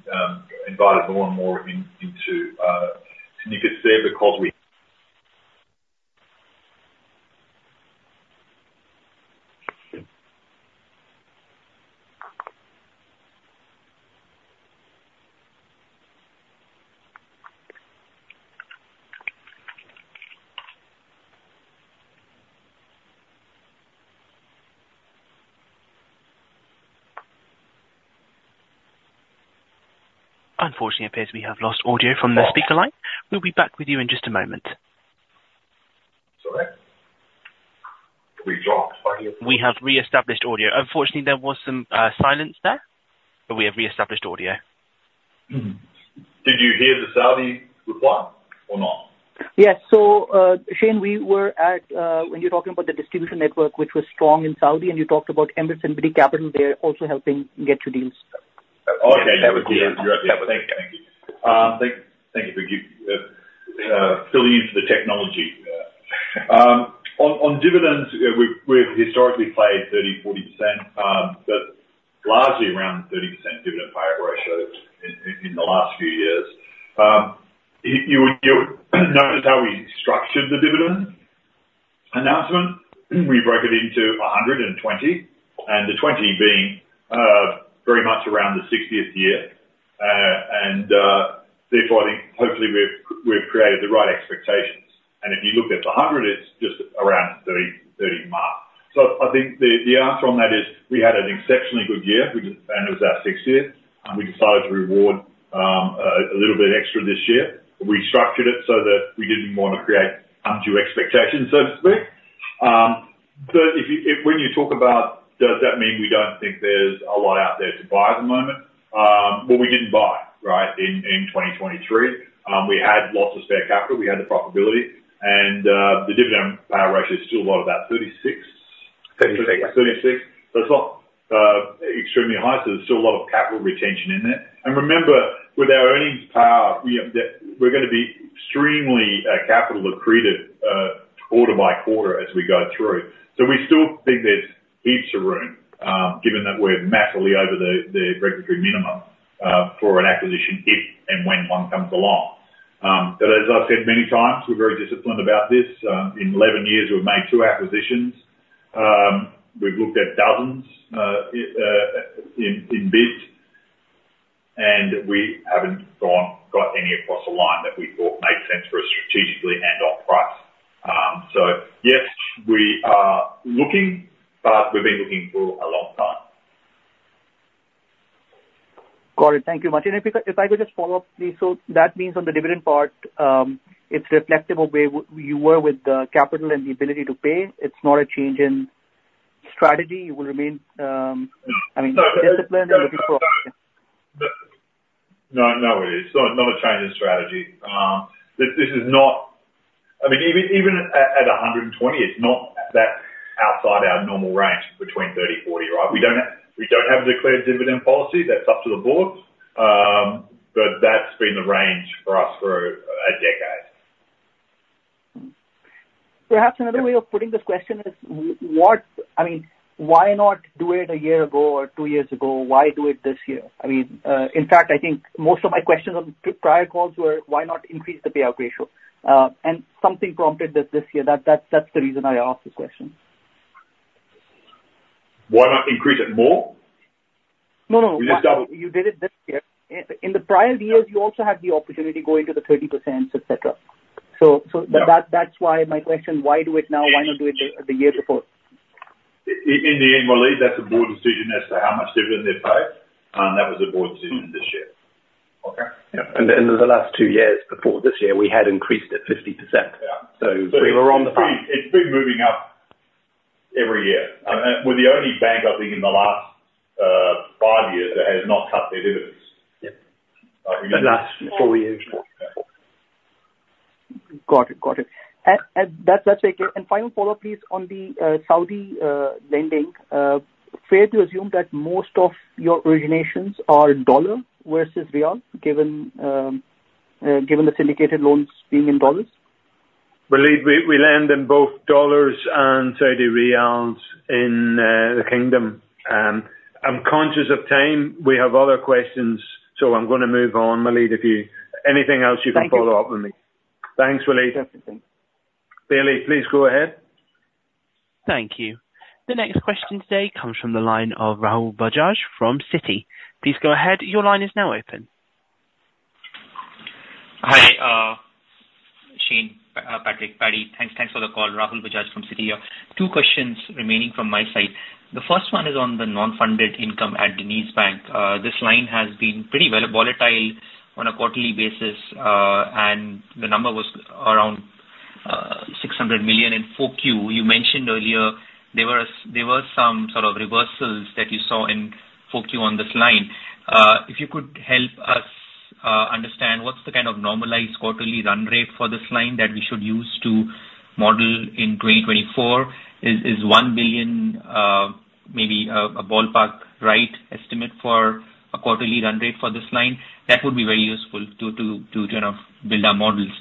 invited more and more into syndicates there because we- Unfortunately, it appears we have lost audio from the speaker line. We'll be back with you in just a moment. Sorry. We dropped by you? We have reestablished audio. Unfortunately, there was some silence there, but we have reestablished audio. Did you hear the Saudi reply or not? Yes. So, Shayne, we were at, when you're talking about the distribution network, which was strong in Saudi, and you talked about Emirates NBD Capital there, also helping get you deals. Okay. Yeah, you're right. Thank you. Thank you for diving into the technology. On dividends, we've historically paid 30%-40%, but largely around the 30% dividend payout ratio in the last few years. You notice how we structured the dividend announcement? We broke it into 120, and the 20 being very much around the 60th year. And therefore, I think, hopefully we've created the right expectations. And if you look at the 100, it's just around 30- 30 mark. So I think the answer on that is, we had an exceptionally good year, and it was our sixth year, and we decided to reward a little bit extra this year. We structured it so that we didn't want to create undue expectations, so to speak. So if you, if when you talk about, does that mean we don't think there's a lot out there to buy at the moment? Well, we didn't buy, right, in 2023. We had lots of spare capital. We had the profitability and the dividend payout ratio is still about 36%? Thirty-six. So it's not extremely high, so there's still a lot of capital retention in there. And remember, with our earnings power, we have the- we're gonna be extremely capital accretive quarter-by-quarter as we go through. So we still think there's heaps of room given that we're massively over the regulatory minimum for an acquisition, if and when one comes along. But as I've said many times, we're very disciplined about this. In 11 years, we've made two acquisitions. We've looked at dozens in bits, and we haven't got any across the line that we thought made sense for a strategically and on price. So yes, we are looking, but we've been looking for a long time. Got it. Thank you much. And if I could just follow up, please. So that means on the dividend part, it's reflective of where you were with the capital and the ability to pay? It's not a change in strategy, it will remain. No. I mean, discipline and looking for- No, no, it is. Not, not a change in strategy. This, this is not- I mean, even, even at, at 120, it's not that outside our normal range between 30 and 40, right? We don't have, we don't have a declared dividend policy. That's up to the board. But that's been the range for us for a decade. Perhaps another way of putting this question is what, I mean, why not do it a year ago or two years ago? Why do it this year? I mean, in fact, I think most of my questions on prior calls were, why not increase the payout ratio? And something prompted this this year. That's the reason I asked this question. Why not increase it more? No, no, no- You doubled. You did it this year. In the prior years, you also had the opportunity going to the 30%, et cetera. So, Yeah. That's why my question, why do it now? Why not do it the year before? In the end, Waleed, that's a board decision as to how much dividend they pay, and that was a board decision this year. Okay. Yeah. And then the last two years before this year, we had increased it 50%. Yeah. We were on the path. It's been, it's been moving up every year. And then we're the only bank, I think, in the last five years, that has not cut their dividends. Yeah. The last four years. Got it. Got it. And that's okay. And final follow-up, please, on the Saudi lending. Fair to assume that most of your originations are in dollar versus rial, given the syndicated loans being in dollars? Believe we, we lend in both U.S. dollars and Saudi riyals in the Kingdom. I'm conscious of time. We have other questions, so I'm gonna move on. Waleed, if you- anything else, you can follow up with me. Thank you. Thanks, Waleed. Bailey, please go ahead. Thank you. The next question today comes from the line of Rahul Bajaj from Citi. Please go ahead. Your line is now open. Hi, Shayne, Patrick, Paddy. Thanks, thanks for the call. Rahul Bajaj from Citi here. Two questions remaining from my side. The first one is on the non-funded income at DenizBank. This line has been pretty volatile on a quarterly basis, and the number was around 600 million in Q4. You mentioned earlier, there were some sort of reversals that you saw in Q4 on this line. If you could help us understand what's the kind of normalized quarterly run rate for this line that we should use to model in 2024, is 1 billion maybe a ballpark right estimate for a quarterly run rate for this line? That would be very useful to kind of build our models.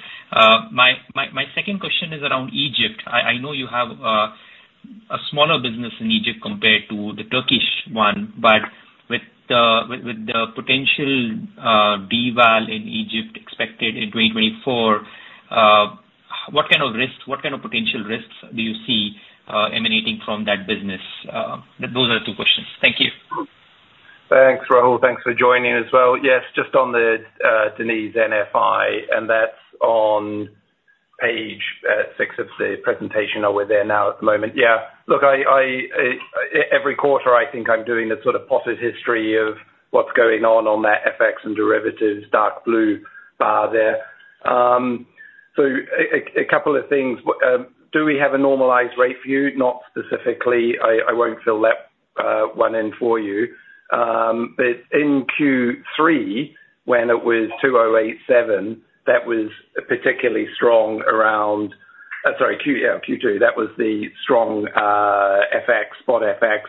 My second question is around Egypt. I know you have a smaller business in Egypt compared to the Turkish one, but with the potential deval in Egypt expected in 2024, what kind of risks- what kind of potential risks do you see emanating from that business? Those are the two questions. Thank you. Thanks, Rahul. Thanks for joining as well. Yes, just on the DenizBank, and that's on page 6 of the presentation, or we're there now at the moment. Yeah. Look, every quarter, I think I'm doing a sort of potted history of what's going on in that FX and derivatives dark blue bar there. So a couple of things. Do we have a normalized rate for you? Not specifically. I won't fill that one in for you. But in Q3, when it was 208-7, that was particularly strong around- sorry, yeah, Q2, that was the strong FX, spot FX,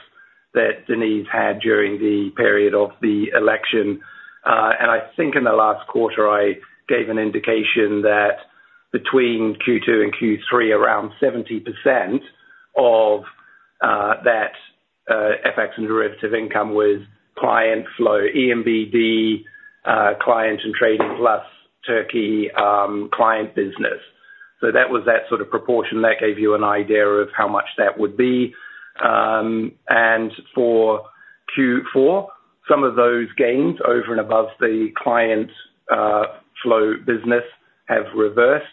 that DenizBank had during the period of the election. I think in the last quarter, I gave an indication that between Q2 and Q3, around 70% of that FX and derivative income was client flow, ENBD client and trading, plus Turkey client business. That was that sort of proportion. That gave you an idea of how much that would be. For Q4, some of those gains over and above the client flow business have reversed.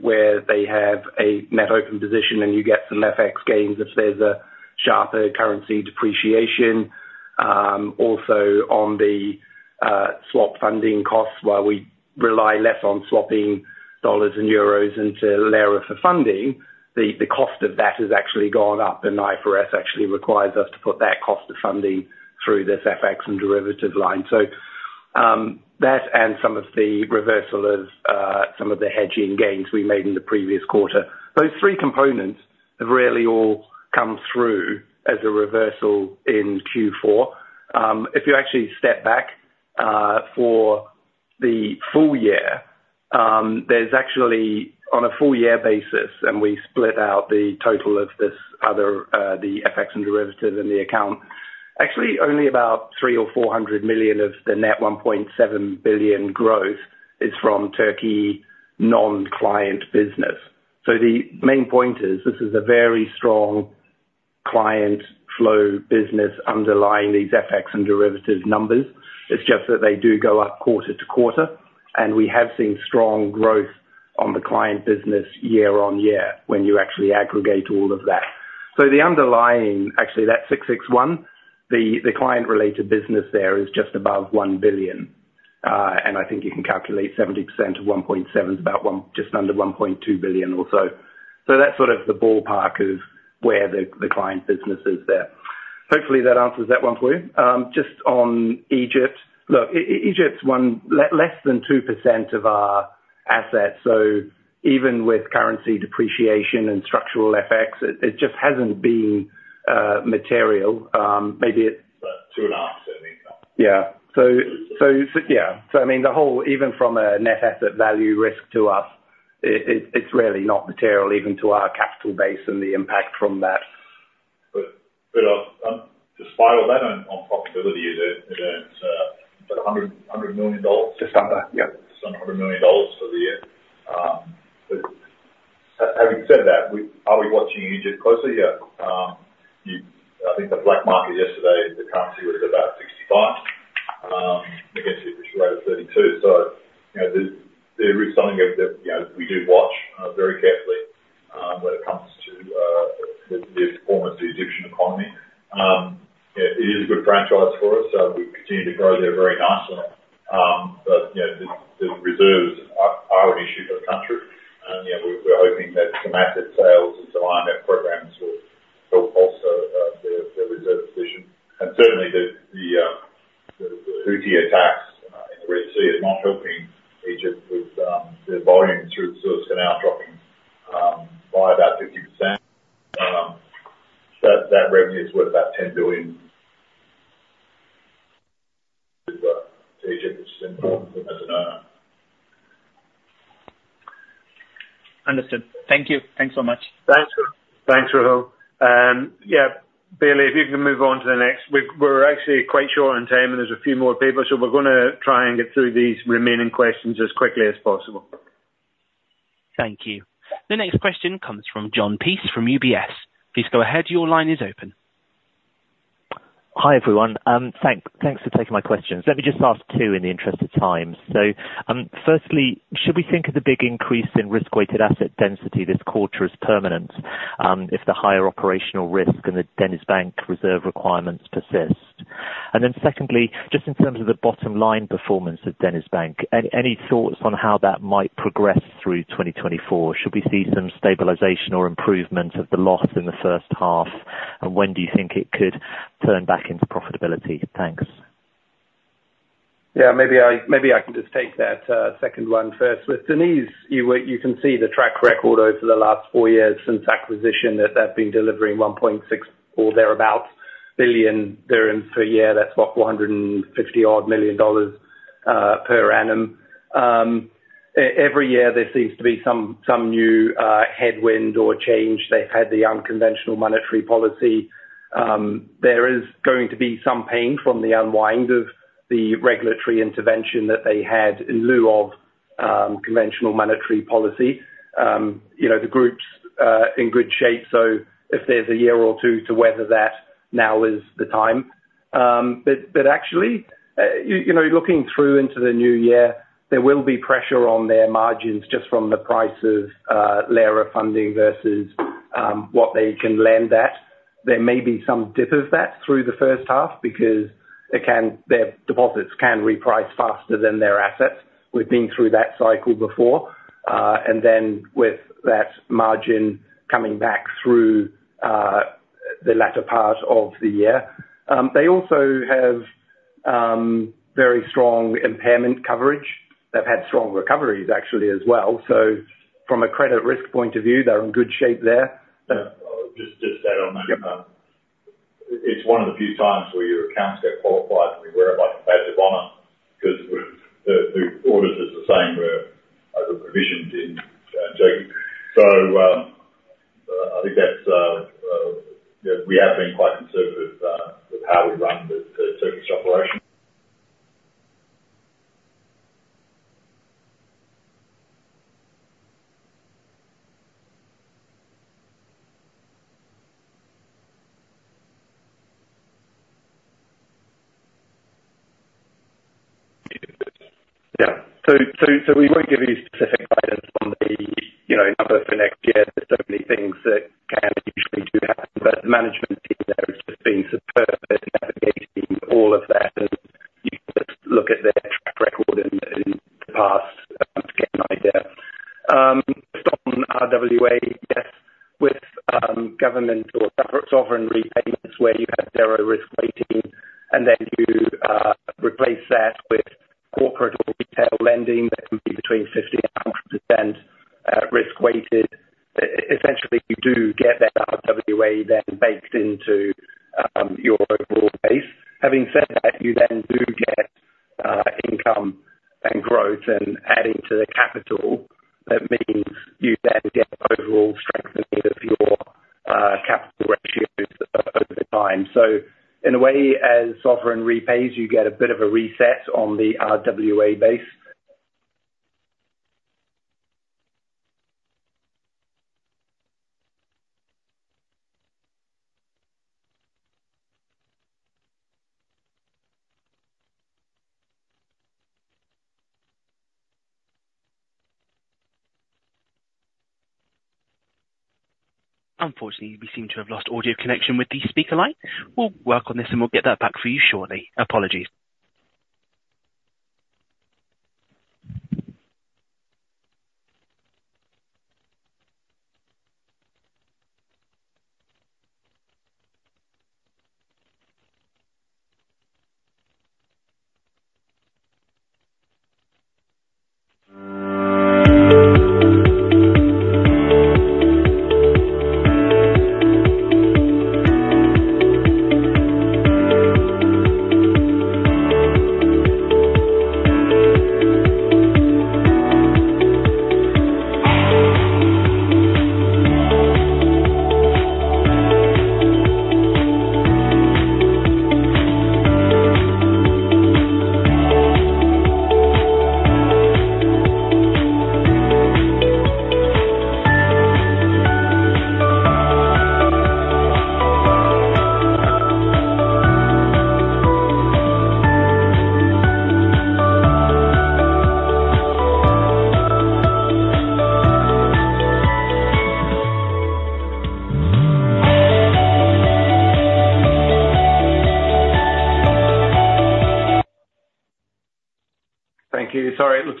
Where they have a net open position and you get some FX gains, if there's a sharper currency depreciation, also on the swap funding costs, while we rely less on swapping dollars and euros into lira for funding, the cost of that has actually gone up, and IFRS actually requires us to put that cost of funding through this FX and derivative line. So, that and some of the reversal of some of the hedging gains we made in the previous quarter. Those three components have really all come through as a reversal in Q4. If you actually step back, for the full year, there's actually, on a full year basis, and we split out the total of this other, the FX and derivative in the account, actually only about 300 million or 400 million of the net 1.7 billion growth is from Turkey non-client business. So the main point is, this is a very strong client flow business underlying these FX and derivatives numbers. It's just that they do go up quarter-to-quarter, and we have seen strong growth on the client business year-on-year, when you actually aggregate all of that. So the underlying, that 661, the client-related business there is just above 1 billion. And I think you can calculate 70% of 1.7 is about 1- just under 1.2 billion or so. So that's sort of the ballpark of where the client business is there. Hopefully, that answers that one for you. Just on Egypt. Look, Egypt's one- less than 2% of our assets, so even with currency depreciation and structural FX, it just hasn't been material. Maybe it's- 2.5, certainly not. Yeah. So yeah. So I mean, the whole even from a net asset value risk to us, it, it's really not material even to our capital base and the impact from that. Despite all that on profitability, is it earns $100 million? Just under, yeah. Just under $100 million for the year? Having said that, are we watching Egypt closely? Yeah. I think the black market yesterday, the currency was about 65 against the official rate of 32. So, you know, there is something that, you know, we do watch very carefully when it comes to the performance of Hi, everyone. Thanks for taking my questions. Let me just ask two in the interest of time. So, firstly, should we think of the big increase in risk-weighted asset density this quarter as permanent, if the higher operational risk and the DenizBank reserve requirements persist? And then secondly, just in terms of the bottom line performance of DenizBank, any, any thoughts on how that might progress through 2024? Should we see some stabilization or improvement of the loss in the first half, and when do you think it could turn back into profitability? Thanks. Yeah, maybe I, maybe I can just take that second one first. With Deniz, you can see the track record over the last 4 years since acquisition, that they've been delivering 1.6 or thereabout billion dirhams per year. That's about 150 odd million dollars per annum. Every year there seems to be some new headwind or change. They've had the unconventional monetary policy. There is going to be some pain from the unwind of the regulatory intervention that they had in lieu of conventional monetary policy. You know, the group's in good shape, so if there's a year or two to weather that, now is the time. But, but actually, you, you know, looking through into the new year, there will be pressure on their margins just from the price of layer of funding versus what they can lend at. There may be some dip of that through the first half because their deposits can reprice faster than their assets. We've been through that cycle before. And then with that margin coming back through the latter part of the year. They also have very strong impairment coverage. They've had strong recoveries, actually, as well. So from a credit risk point of view, they're in good shape there. Just, just to add on that. It's one of the few times where your accounts get qualified, and we wear it like a badge of honor, because with the auditors is the same whereas the provisioning. So, I think that's yeah, we have been quite conservative with how we run the Turkish operation. Yeah. We won't give any specific guidance on the, you know, number for next year. There's so many things that can usually do happen, but management team there has just been superb at navigating all of that, and you can just look at their track record in the past to get an idea. From RWA, yes, with government or separate sovereign repayments where you have zero risk weighting, and then you replace that with corporate or retail lending, that can be between 50 and 100% risk weighted. Essentially, you do get that RWA then baked into your overall base. Having said that, you then do get income and growth and adding to the capital, that means you then get overall strengthening of your capital ratios over time. In a way, as sovereign repays, you get a bit of a reset on the RWA base. Unfortunately, we seem to have lost audio connection with the speaker line. We'll work on this and we'll get that back for you shortly. Apologies.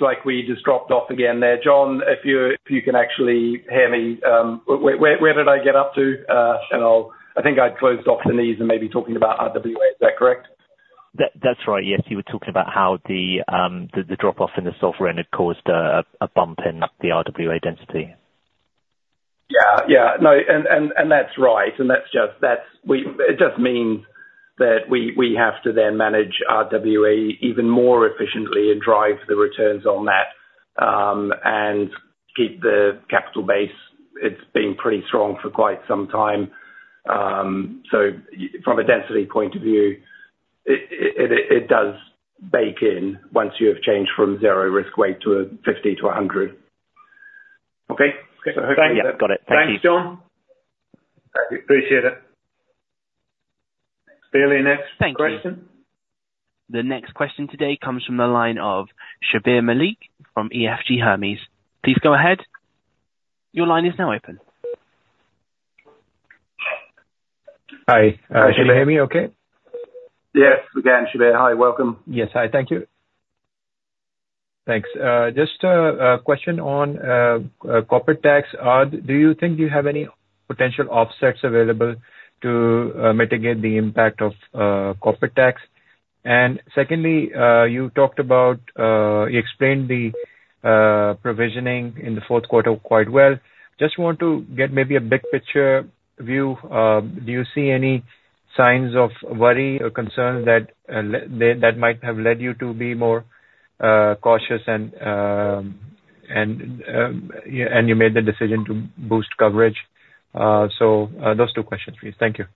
Thank you. Sorry, it looks like we just dropped off again there. Jon, if you, if you can actually hear me, where, where, where did I get up to? And I'll- I think I closed off the NPLs and maybe talking about RWA. Is that correct? That, that's right. Yes. You were talking about how the drop-off in the sovereign had caused a bump in the RWA density. Yeah. No, and that's right. And that's just, it just means that we have to then manage RWA even more efficiently and drive the returns on that, and keep the capital base. It's been pretty strong for quite some time. So from a density point of view, it does bake in once you have changed from 0 risk weight to a 50 to a 100. Okay? Yeah. Got it. Thank you. Thanks, Jon. Appreciate it. Bailey, next question. Thank you. The next question today comes from the line of Shabbir Malik from EFG Hermes. Please go ahead. Your line is now open. Hi. Can you hear me okay? Yes, again, Shabbir. Hi, welcome. Yes. Hi. Thank you. Thanks. Just a question on corporate tax. Do you think you have any potential offsets available to mitigate the impact of corporate tax? And secondly, you talked about, you explained the provisioning in the Q4 quite well. Just want to get maybe a big picture view. Do you see any signs of worry or concerns that that might have led you to be more cautious and you made the decision to boost coverage? So, those two questions for you. Thank you.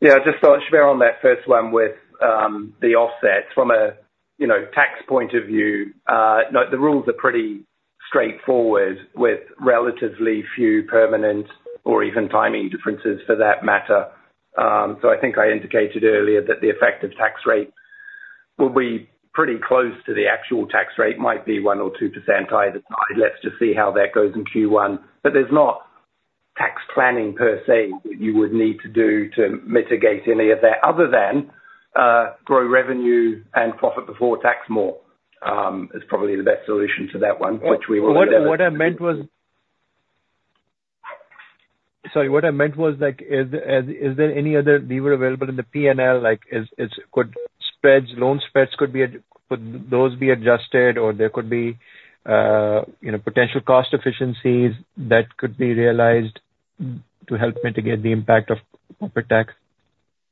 Yeah, just so Shabbir, on that first one with the offsets from a, you know, tax point of view, no, the rules are pretty straightforward, with relatively few permanent or even timing differences for that matter. So I think I indicated earlier that the effective tax rate will be pretty close to the actual tax rate. Might be 1% or 2% either side. Let's just see how that goes in Q1. But there's not tax planning per se that you would need to do to mitigate any of that, other than grow revenue and profit before tax more is probably the best solution to that one, which we will- What I meant was- sorry, what I meant was, like, is there any other lever available in the P&L? Like, could spreads, loan spreads, could those be adjusted, or there could be, you know, potential cost efficiencies that could be realized to help mitigate the impact of corporate tax?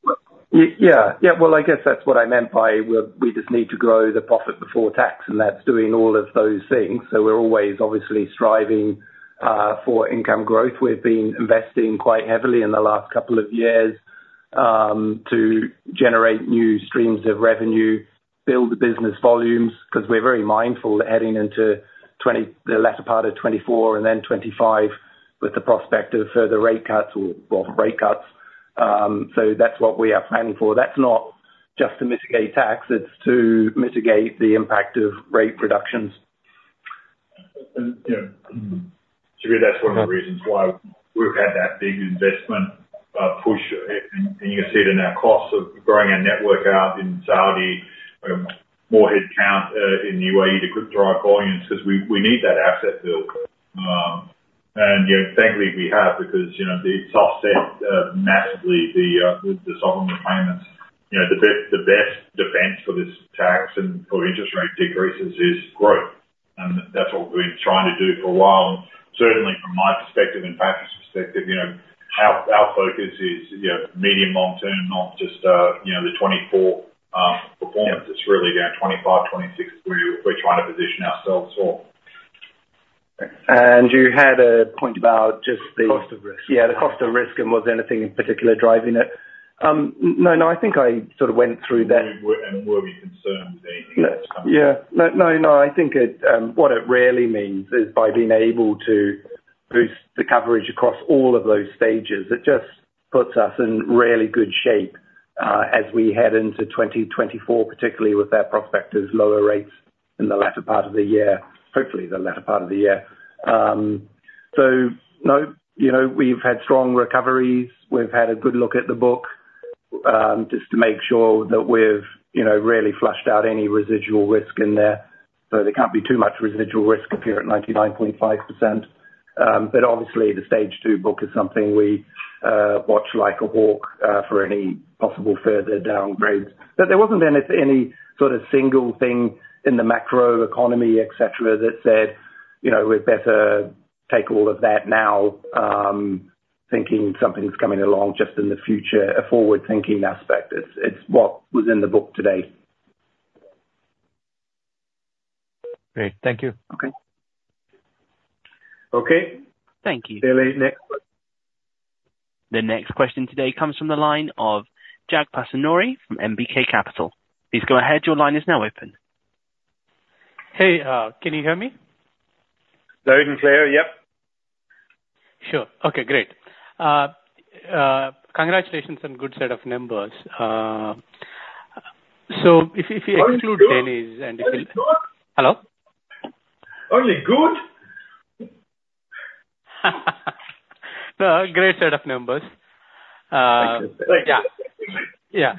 Well, yeah. Yeah, well, I guess that's what I meant by we, we just need to grow the profit before tax, and that's doing all of those things. So we're always obviously striving for income growth. We've been investing quite heavily in the last couple of years, to generate new streams of revenue, build the business volumes, 'cause we're very mindful that heading into the latter part of 2024 and then 2025, with the prospect of further rate cuts or, well, rate cuts. So that's what we are planning for. That's not just to mitigate tax, it's to mitigate the impact of rate reductions. You know, Shabbir, that's one of the reasons why we've had that big investment push, and you can see it in our costs of growing our network out in Saudi, more headcount in UAE to drive volumes, 'cause we need that asset build. And you know, thankfully we have, because you know, the offset massively the sovereign payments. You know, the best defense for this tax and for interest rate decreases is growth, and that's what we've been trying to do for a while. And certainly from my perspective and Patrick's perspective, you know, our focus is you know, medium long term, not just you know, the 2024 performance. It's really down 2025, 2026, we're trying to position ourselves for. You had a point about just the- Cost of Risk. Yeah, the cost of risk, and was there anything in particular driving it? No, no, I think I sort of went through that. Were we concerned anything? Yeah. No, no, no. I think what it really means is by being able to boost the coverage across all of those stages, it just puts us in really good shape as we head into 2024, particularly with our prospects of lower rates in the latter part of the year, hopefully the latter part of the year. So no, you know, we've had strong recoveries. We've had a good look at the book just to make sure that we've, you know, really flushed out any residual risk in there. So there can't be too much residual risk if you're at 99.5%. But obviously, the stage 2 book is something we watch like a hawk for any possible further downgrades. But there wasn't any sort of single thing in the macro economy, et cetera, that said, you know, we'd better take all of that now, thinking something's coming along just in the future, a forward-thinking aspect. It's what was in the book today. Great. Thank you. Okay. Okay. Thank you. Bailey, next question? The next question today comes from the line of Jag Pasunoori from NBK Capital. Please go ahead. Your line is now open. Hey, can you hear me? Loud and clear. Yep. Sure. Okay, great. Congratulations on good set of numbers. So if, if you exclude Deniz and- Only good? Hello? Only good? Great set of numbers. Thank you. Yeah.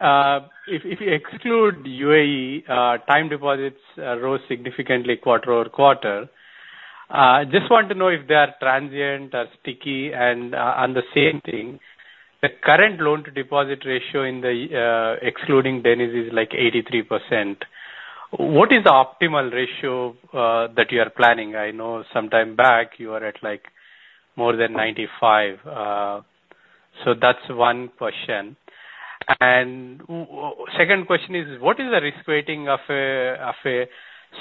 Yeah. If you exclude UAE time deposits rose significantly quarter-over-quarter. Just want to know if they are transient or sticky. And on the same thing, the current loan-to-deposit ratio, excluding Deniz, is like 83%. What is the optimal ratio that you are planning? I know sometime back you were at, like, more than 95. So that's one question. And second question is: What is the risk rating of a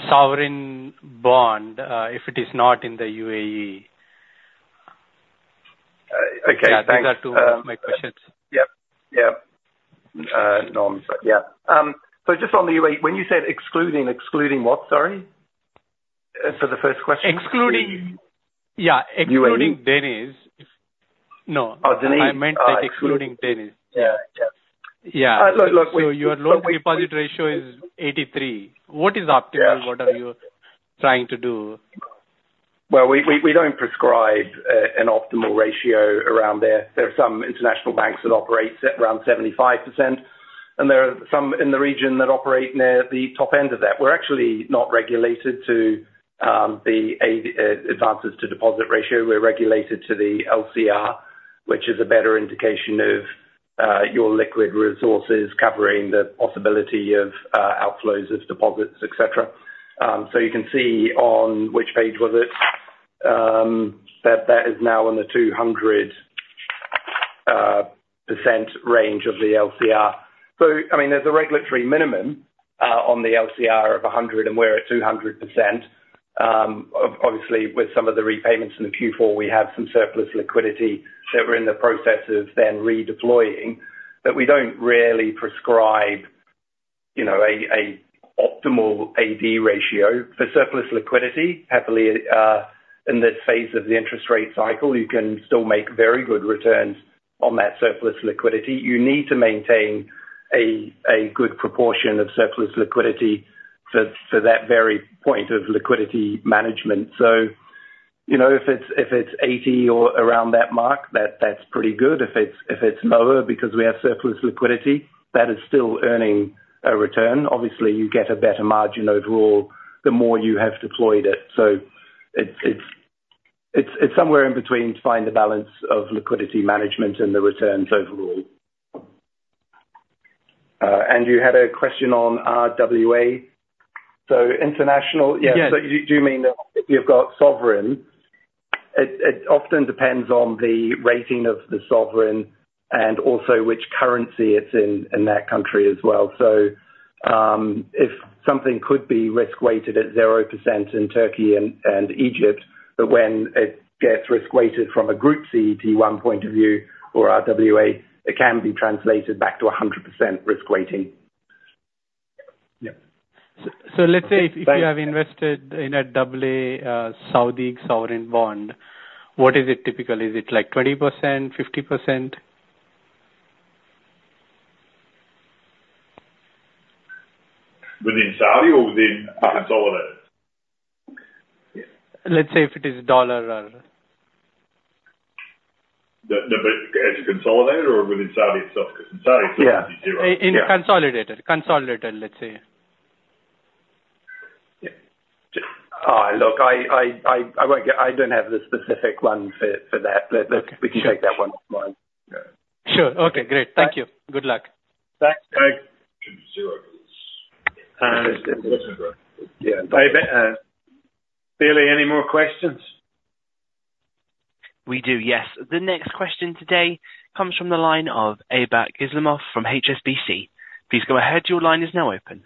sovereign bond if it is not in the UAE? Okay, thanks. Yeah, those are two of my questions. Yep. Yep. No, I'm sorry. Yeah. So just on the UAE, when you said excluding, excluding what, sorry? For the first question. Excluding- yeah- UAE -excluding Deniz. No. Oh, Deniz. I meant excluding Deniz. Yeah. Yeah. Yeah. Look, look- So your loan deposit ratio is 83. What is optimal? Yeah. What are you trying to do? Well, we don't prescribe an optimal ratio around there. There are some international banks that operate at around 75%, and there are some in the region that operate near the top end of that. We're actually not regulated to the AD advances to deposit ratio. We're regulated to the LCR, which is a better indication of your liquid resources covering the possibility of outflows of deposits, et cetera. So you can see on- which page was it? That that is now in the 200% range of the LCR. So I mean, there's a regulatory minimum on the LCR of 100, and we're at 200%. Obviously, with some of the repayments in the Q4, we have some surplus liquidity that we're in the process of then redeploying. But we don't really prescribe, you know, a, a optimal AD ratio. For surplus liquidity, happily, in this phase of the interest rate cycle, you can still make very good returns on that surplus liquidity. You need to maintain a, a good proportion of surplus liquidity for, for that very point of liquidity management. So, you know, if it's, if it's 80 or around that mark, that, that's pretty good. If it's, if it's lower, because we have surplus liquidity, that is still earning a return. Obviously, you get a better margin overall, the more you have deployed it. So it's, it's somewhere in between to find the balance of liquidity management and the returns overall. And you had a question on RWA? So international- Yes. Yeah, so do you mean that you've got sovereign? It often depends on the rating of the sovereign and also which currency it's in, in that country as well. So, if something could be risk-weighted at 0% in Turkey and Egypt, but when it gets risk-weighted from a group CET1 point of view or RWA, it can be translated back to a 100% risk weighting. Yep. So let's say if, if you have invested in a double-A Saudi sovereign bond, what is it typically? Is it like 20%, 50%? Within Saudi or within consolidated? Let's say if it is US dollar or- But as a consolidator or within Saudi itself? Because in Saudi, Saudi is zero. Yeah. In consolidated, let's say. Yeah. Look, I won't get- I don't have the specific one for that. Let- we can take that one offline. Yeah. Sure. Okay, great. Thank you. Good luck. Thanks. Bye. Zero. Yeah. Bailey, any more questions? We do, yes. The next question today comes from the line of Aybek Islamov from HSBC. Please go ahead. Your line is now open.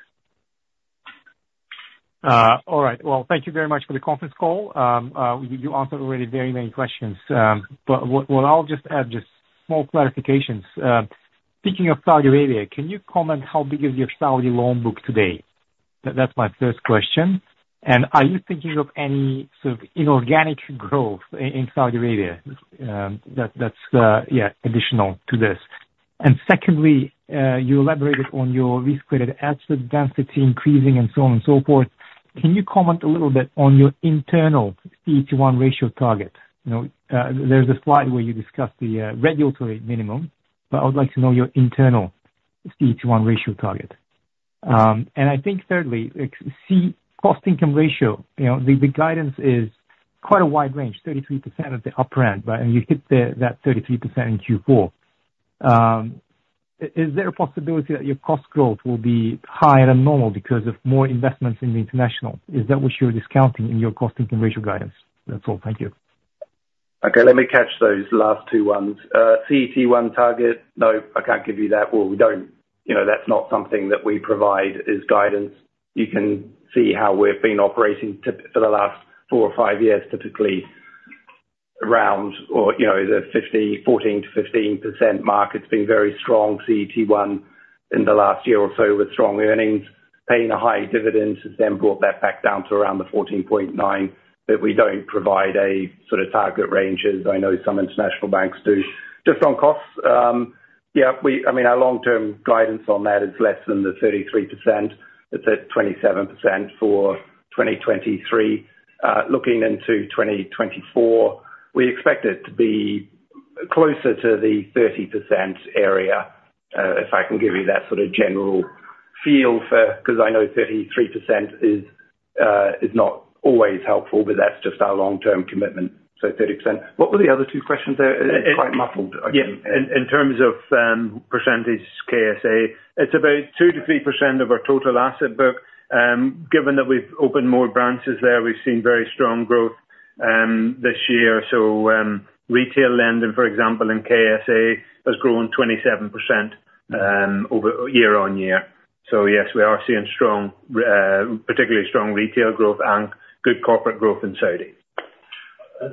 All right. Well, thank you very much for the conference call. You answered already many, many questions. But what I'll just add, just small clarifications. Speaking of Saudi Arabia, can you comment how big is your Saudi loan book today? That's my first question. And are you thinking of any sort of inorganic growth in Saudi Arabia, that that's additional to this? And secondly, you elaborated on your risk-weighted asset density increasing and so on and so forth. Can you comment a little bit on your internal CET1 ratio target? You know, there's a slide where you discussed the regulatory minimum, but I would like to know your internal CET1 ratio target. And I think thirdly, like, cost income ratio, you know, the guidance is quite a wide range, 33% at the upper end, right? And you hit that 33% in Q4. Is there a possibility that your cost growth will be higher than normal because of more investments in the international? Is that what you're discounting in your cost income ratio guidance? That's all. Thank you. Okay, let me catch those last two ones. CET1 target. No, I can't give you that. Well, we don't, you know, that's not something that we provide as guidance. You can see how we've been operating typically for the last four or five years, typically around or, you know, the 14%-15% mark. It's been very strong CET1 in the last year or so, with strong earnings, paying a high dividend has then brought that back down to around the 14.9%. But we don't provide a sort of target range, as I know some international banks do. Just on costs, yeah, I mean, our long-term guidance on that is less than the 33%. It's at 27% for 2023. Looking into 2024, we expect it to be closer to the 30% area, if I can give you that sort of general feel for- because I know 33% is not always helpful, but that's just our long-term commitment, so 30%. What were the other two questions there? It quite muffled again. Yeah. In terms of percentage KSA, it's about 2%-3% of our total asset book. Given that we've opened more branches there, we've seen very strong growth this year. So, retail lending, for example, in KSA, has grown 27% over year-on-year. So yes, we are seeing strong re- particularly strong retail growth and good corporate growth in Saudi.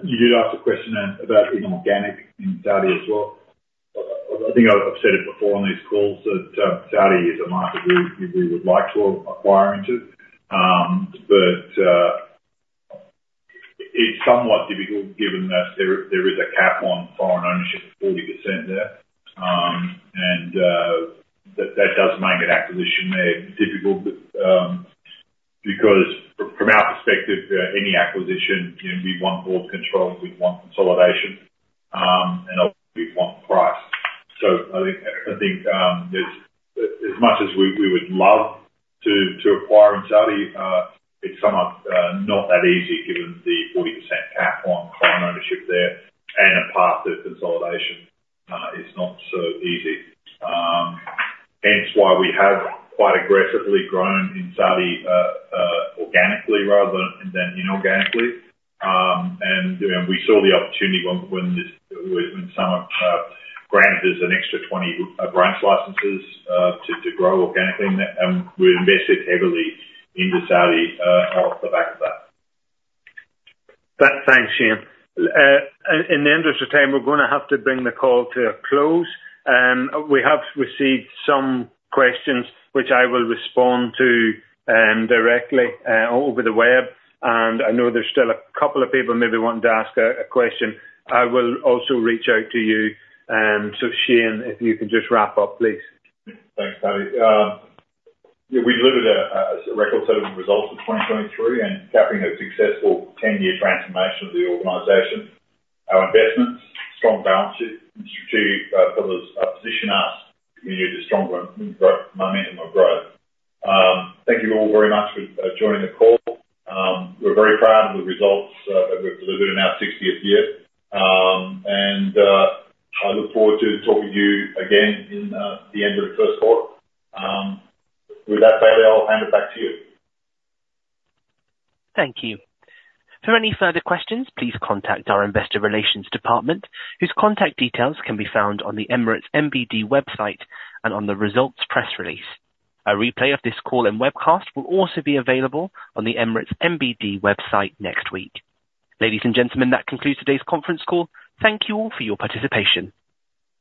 You did ask a question about inorganic in Saudi as well. I think I've said it before on these calls, that Saudi is a market we would like to acquire into. But it's somewhat difficult given that there is a cap on foreign ownership of 40% there. And that does make an acquisition there difficult, but because from our perspective, any acquisition, you know, we'd want board control, we'd want consolidation, and we'd want price. So I think, as much as we would love to acquire in Saudi, it's somewhat not that easy given the 40% cap on foreign ownership there, and a path to consolidation is not so easy. Hence, why we have quite aggressively grown in Saudi organically rather than inorganically. And, you know, we saw the opportunity when some granted us an extra 20 branch licenses to grow organically, and we invested heavily into Saudi off the back of that. Thanks, Shayne. In the end of the time, we're gonna have to bring the call to a close. We have received some questions, which I will respond to directly over the web, and I know there's still a couple of people maybe wanting to ask a question. I will also reach out to you. So Shayne, if you can just wrap up, please. Thanks, Tony. Yeah, we delivered a record set of results in 2023 and capping a successful ten-year transformation of the organization. Our investments, strong balances, strategic position us to continue the strong momentum of growth. Thank you all very much for joining the call. We're very proud of the results that we've delivered in our 60th year. And I look forward to talking to you again in the end of the Q1. With that, Bailey, I'll hand it back to you. Thank you. For any further questions, please contact our investor relations department, whose contact details can be found on the Emirates NBD website and on the results press release. A replay of this call and webcast will also be available on the Emirates NBD website next week. Ladies and gentlemen, that concludes today's conference call. Thank you all for your participation.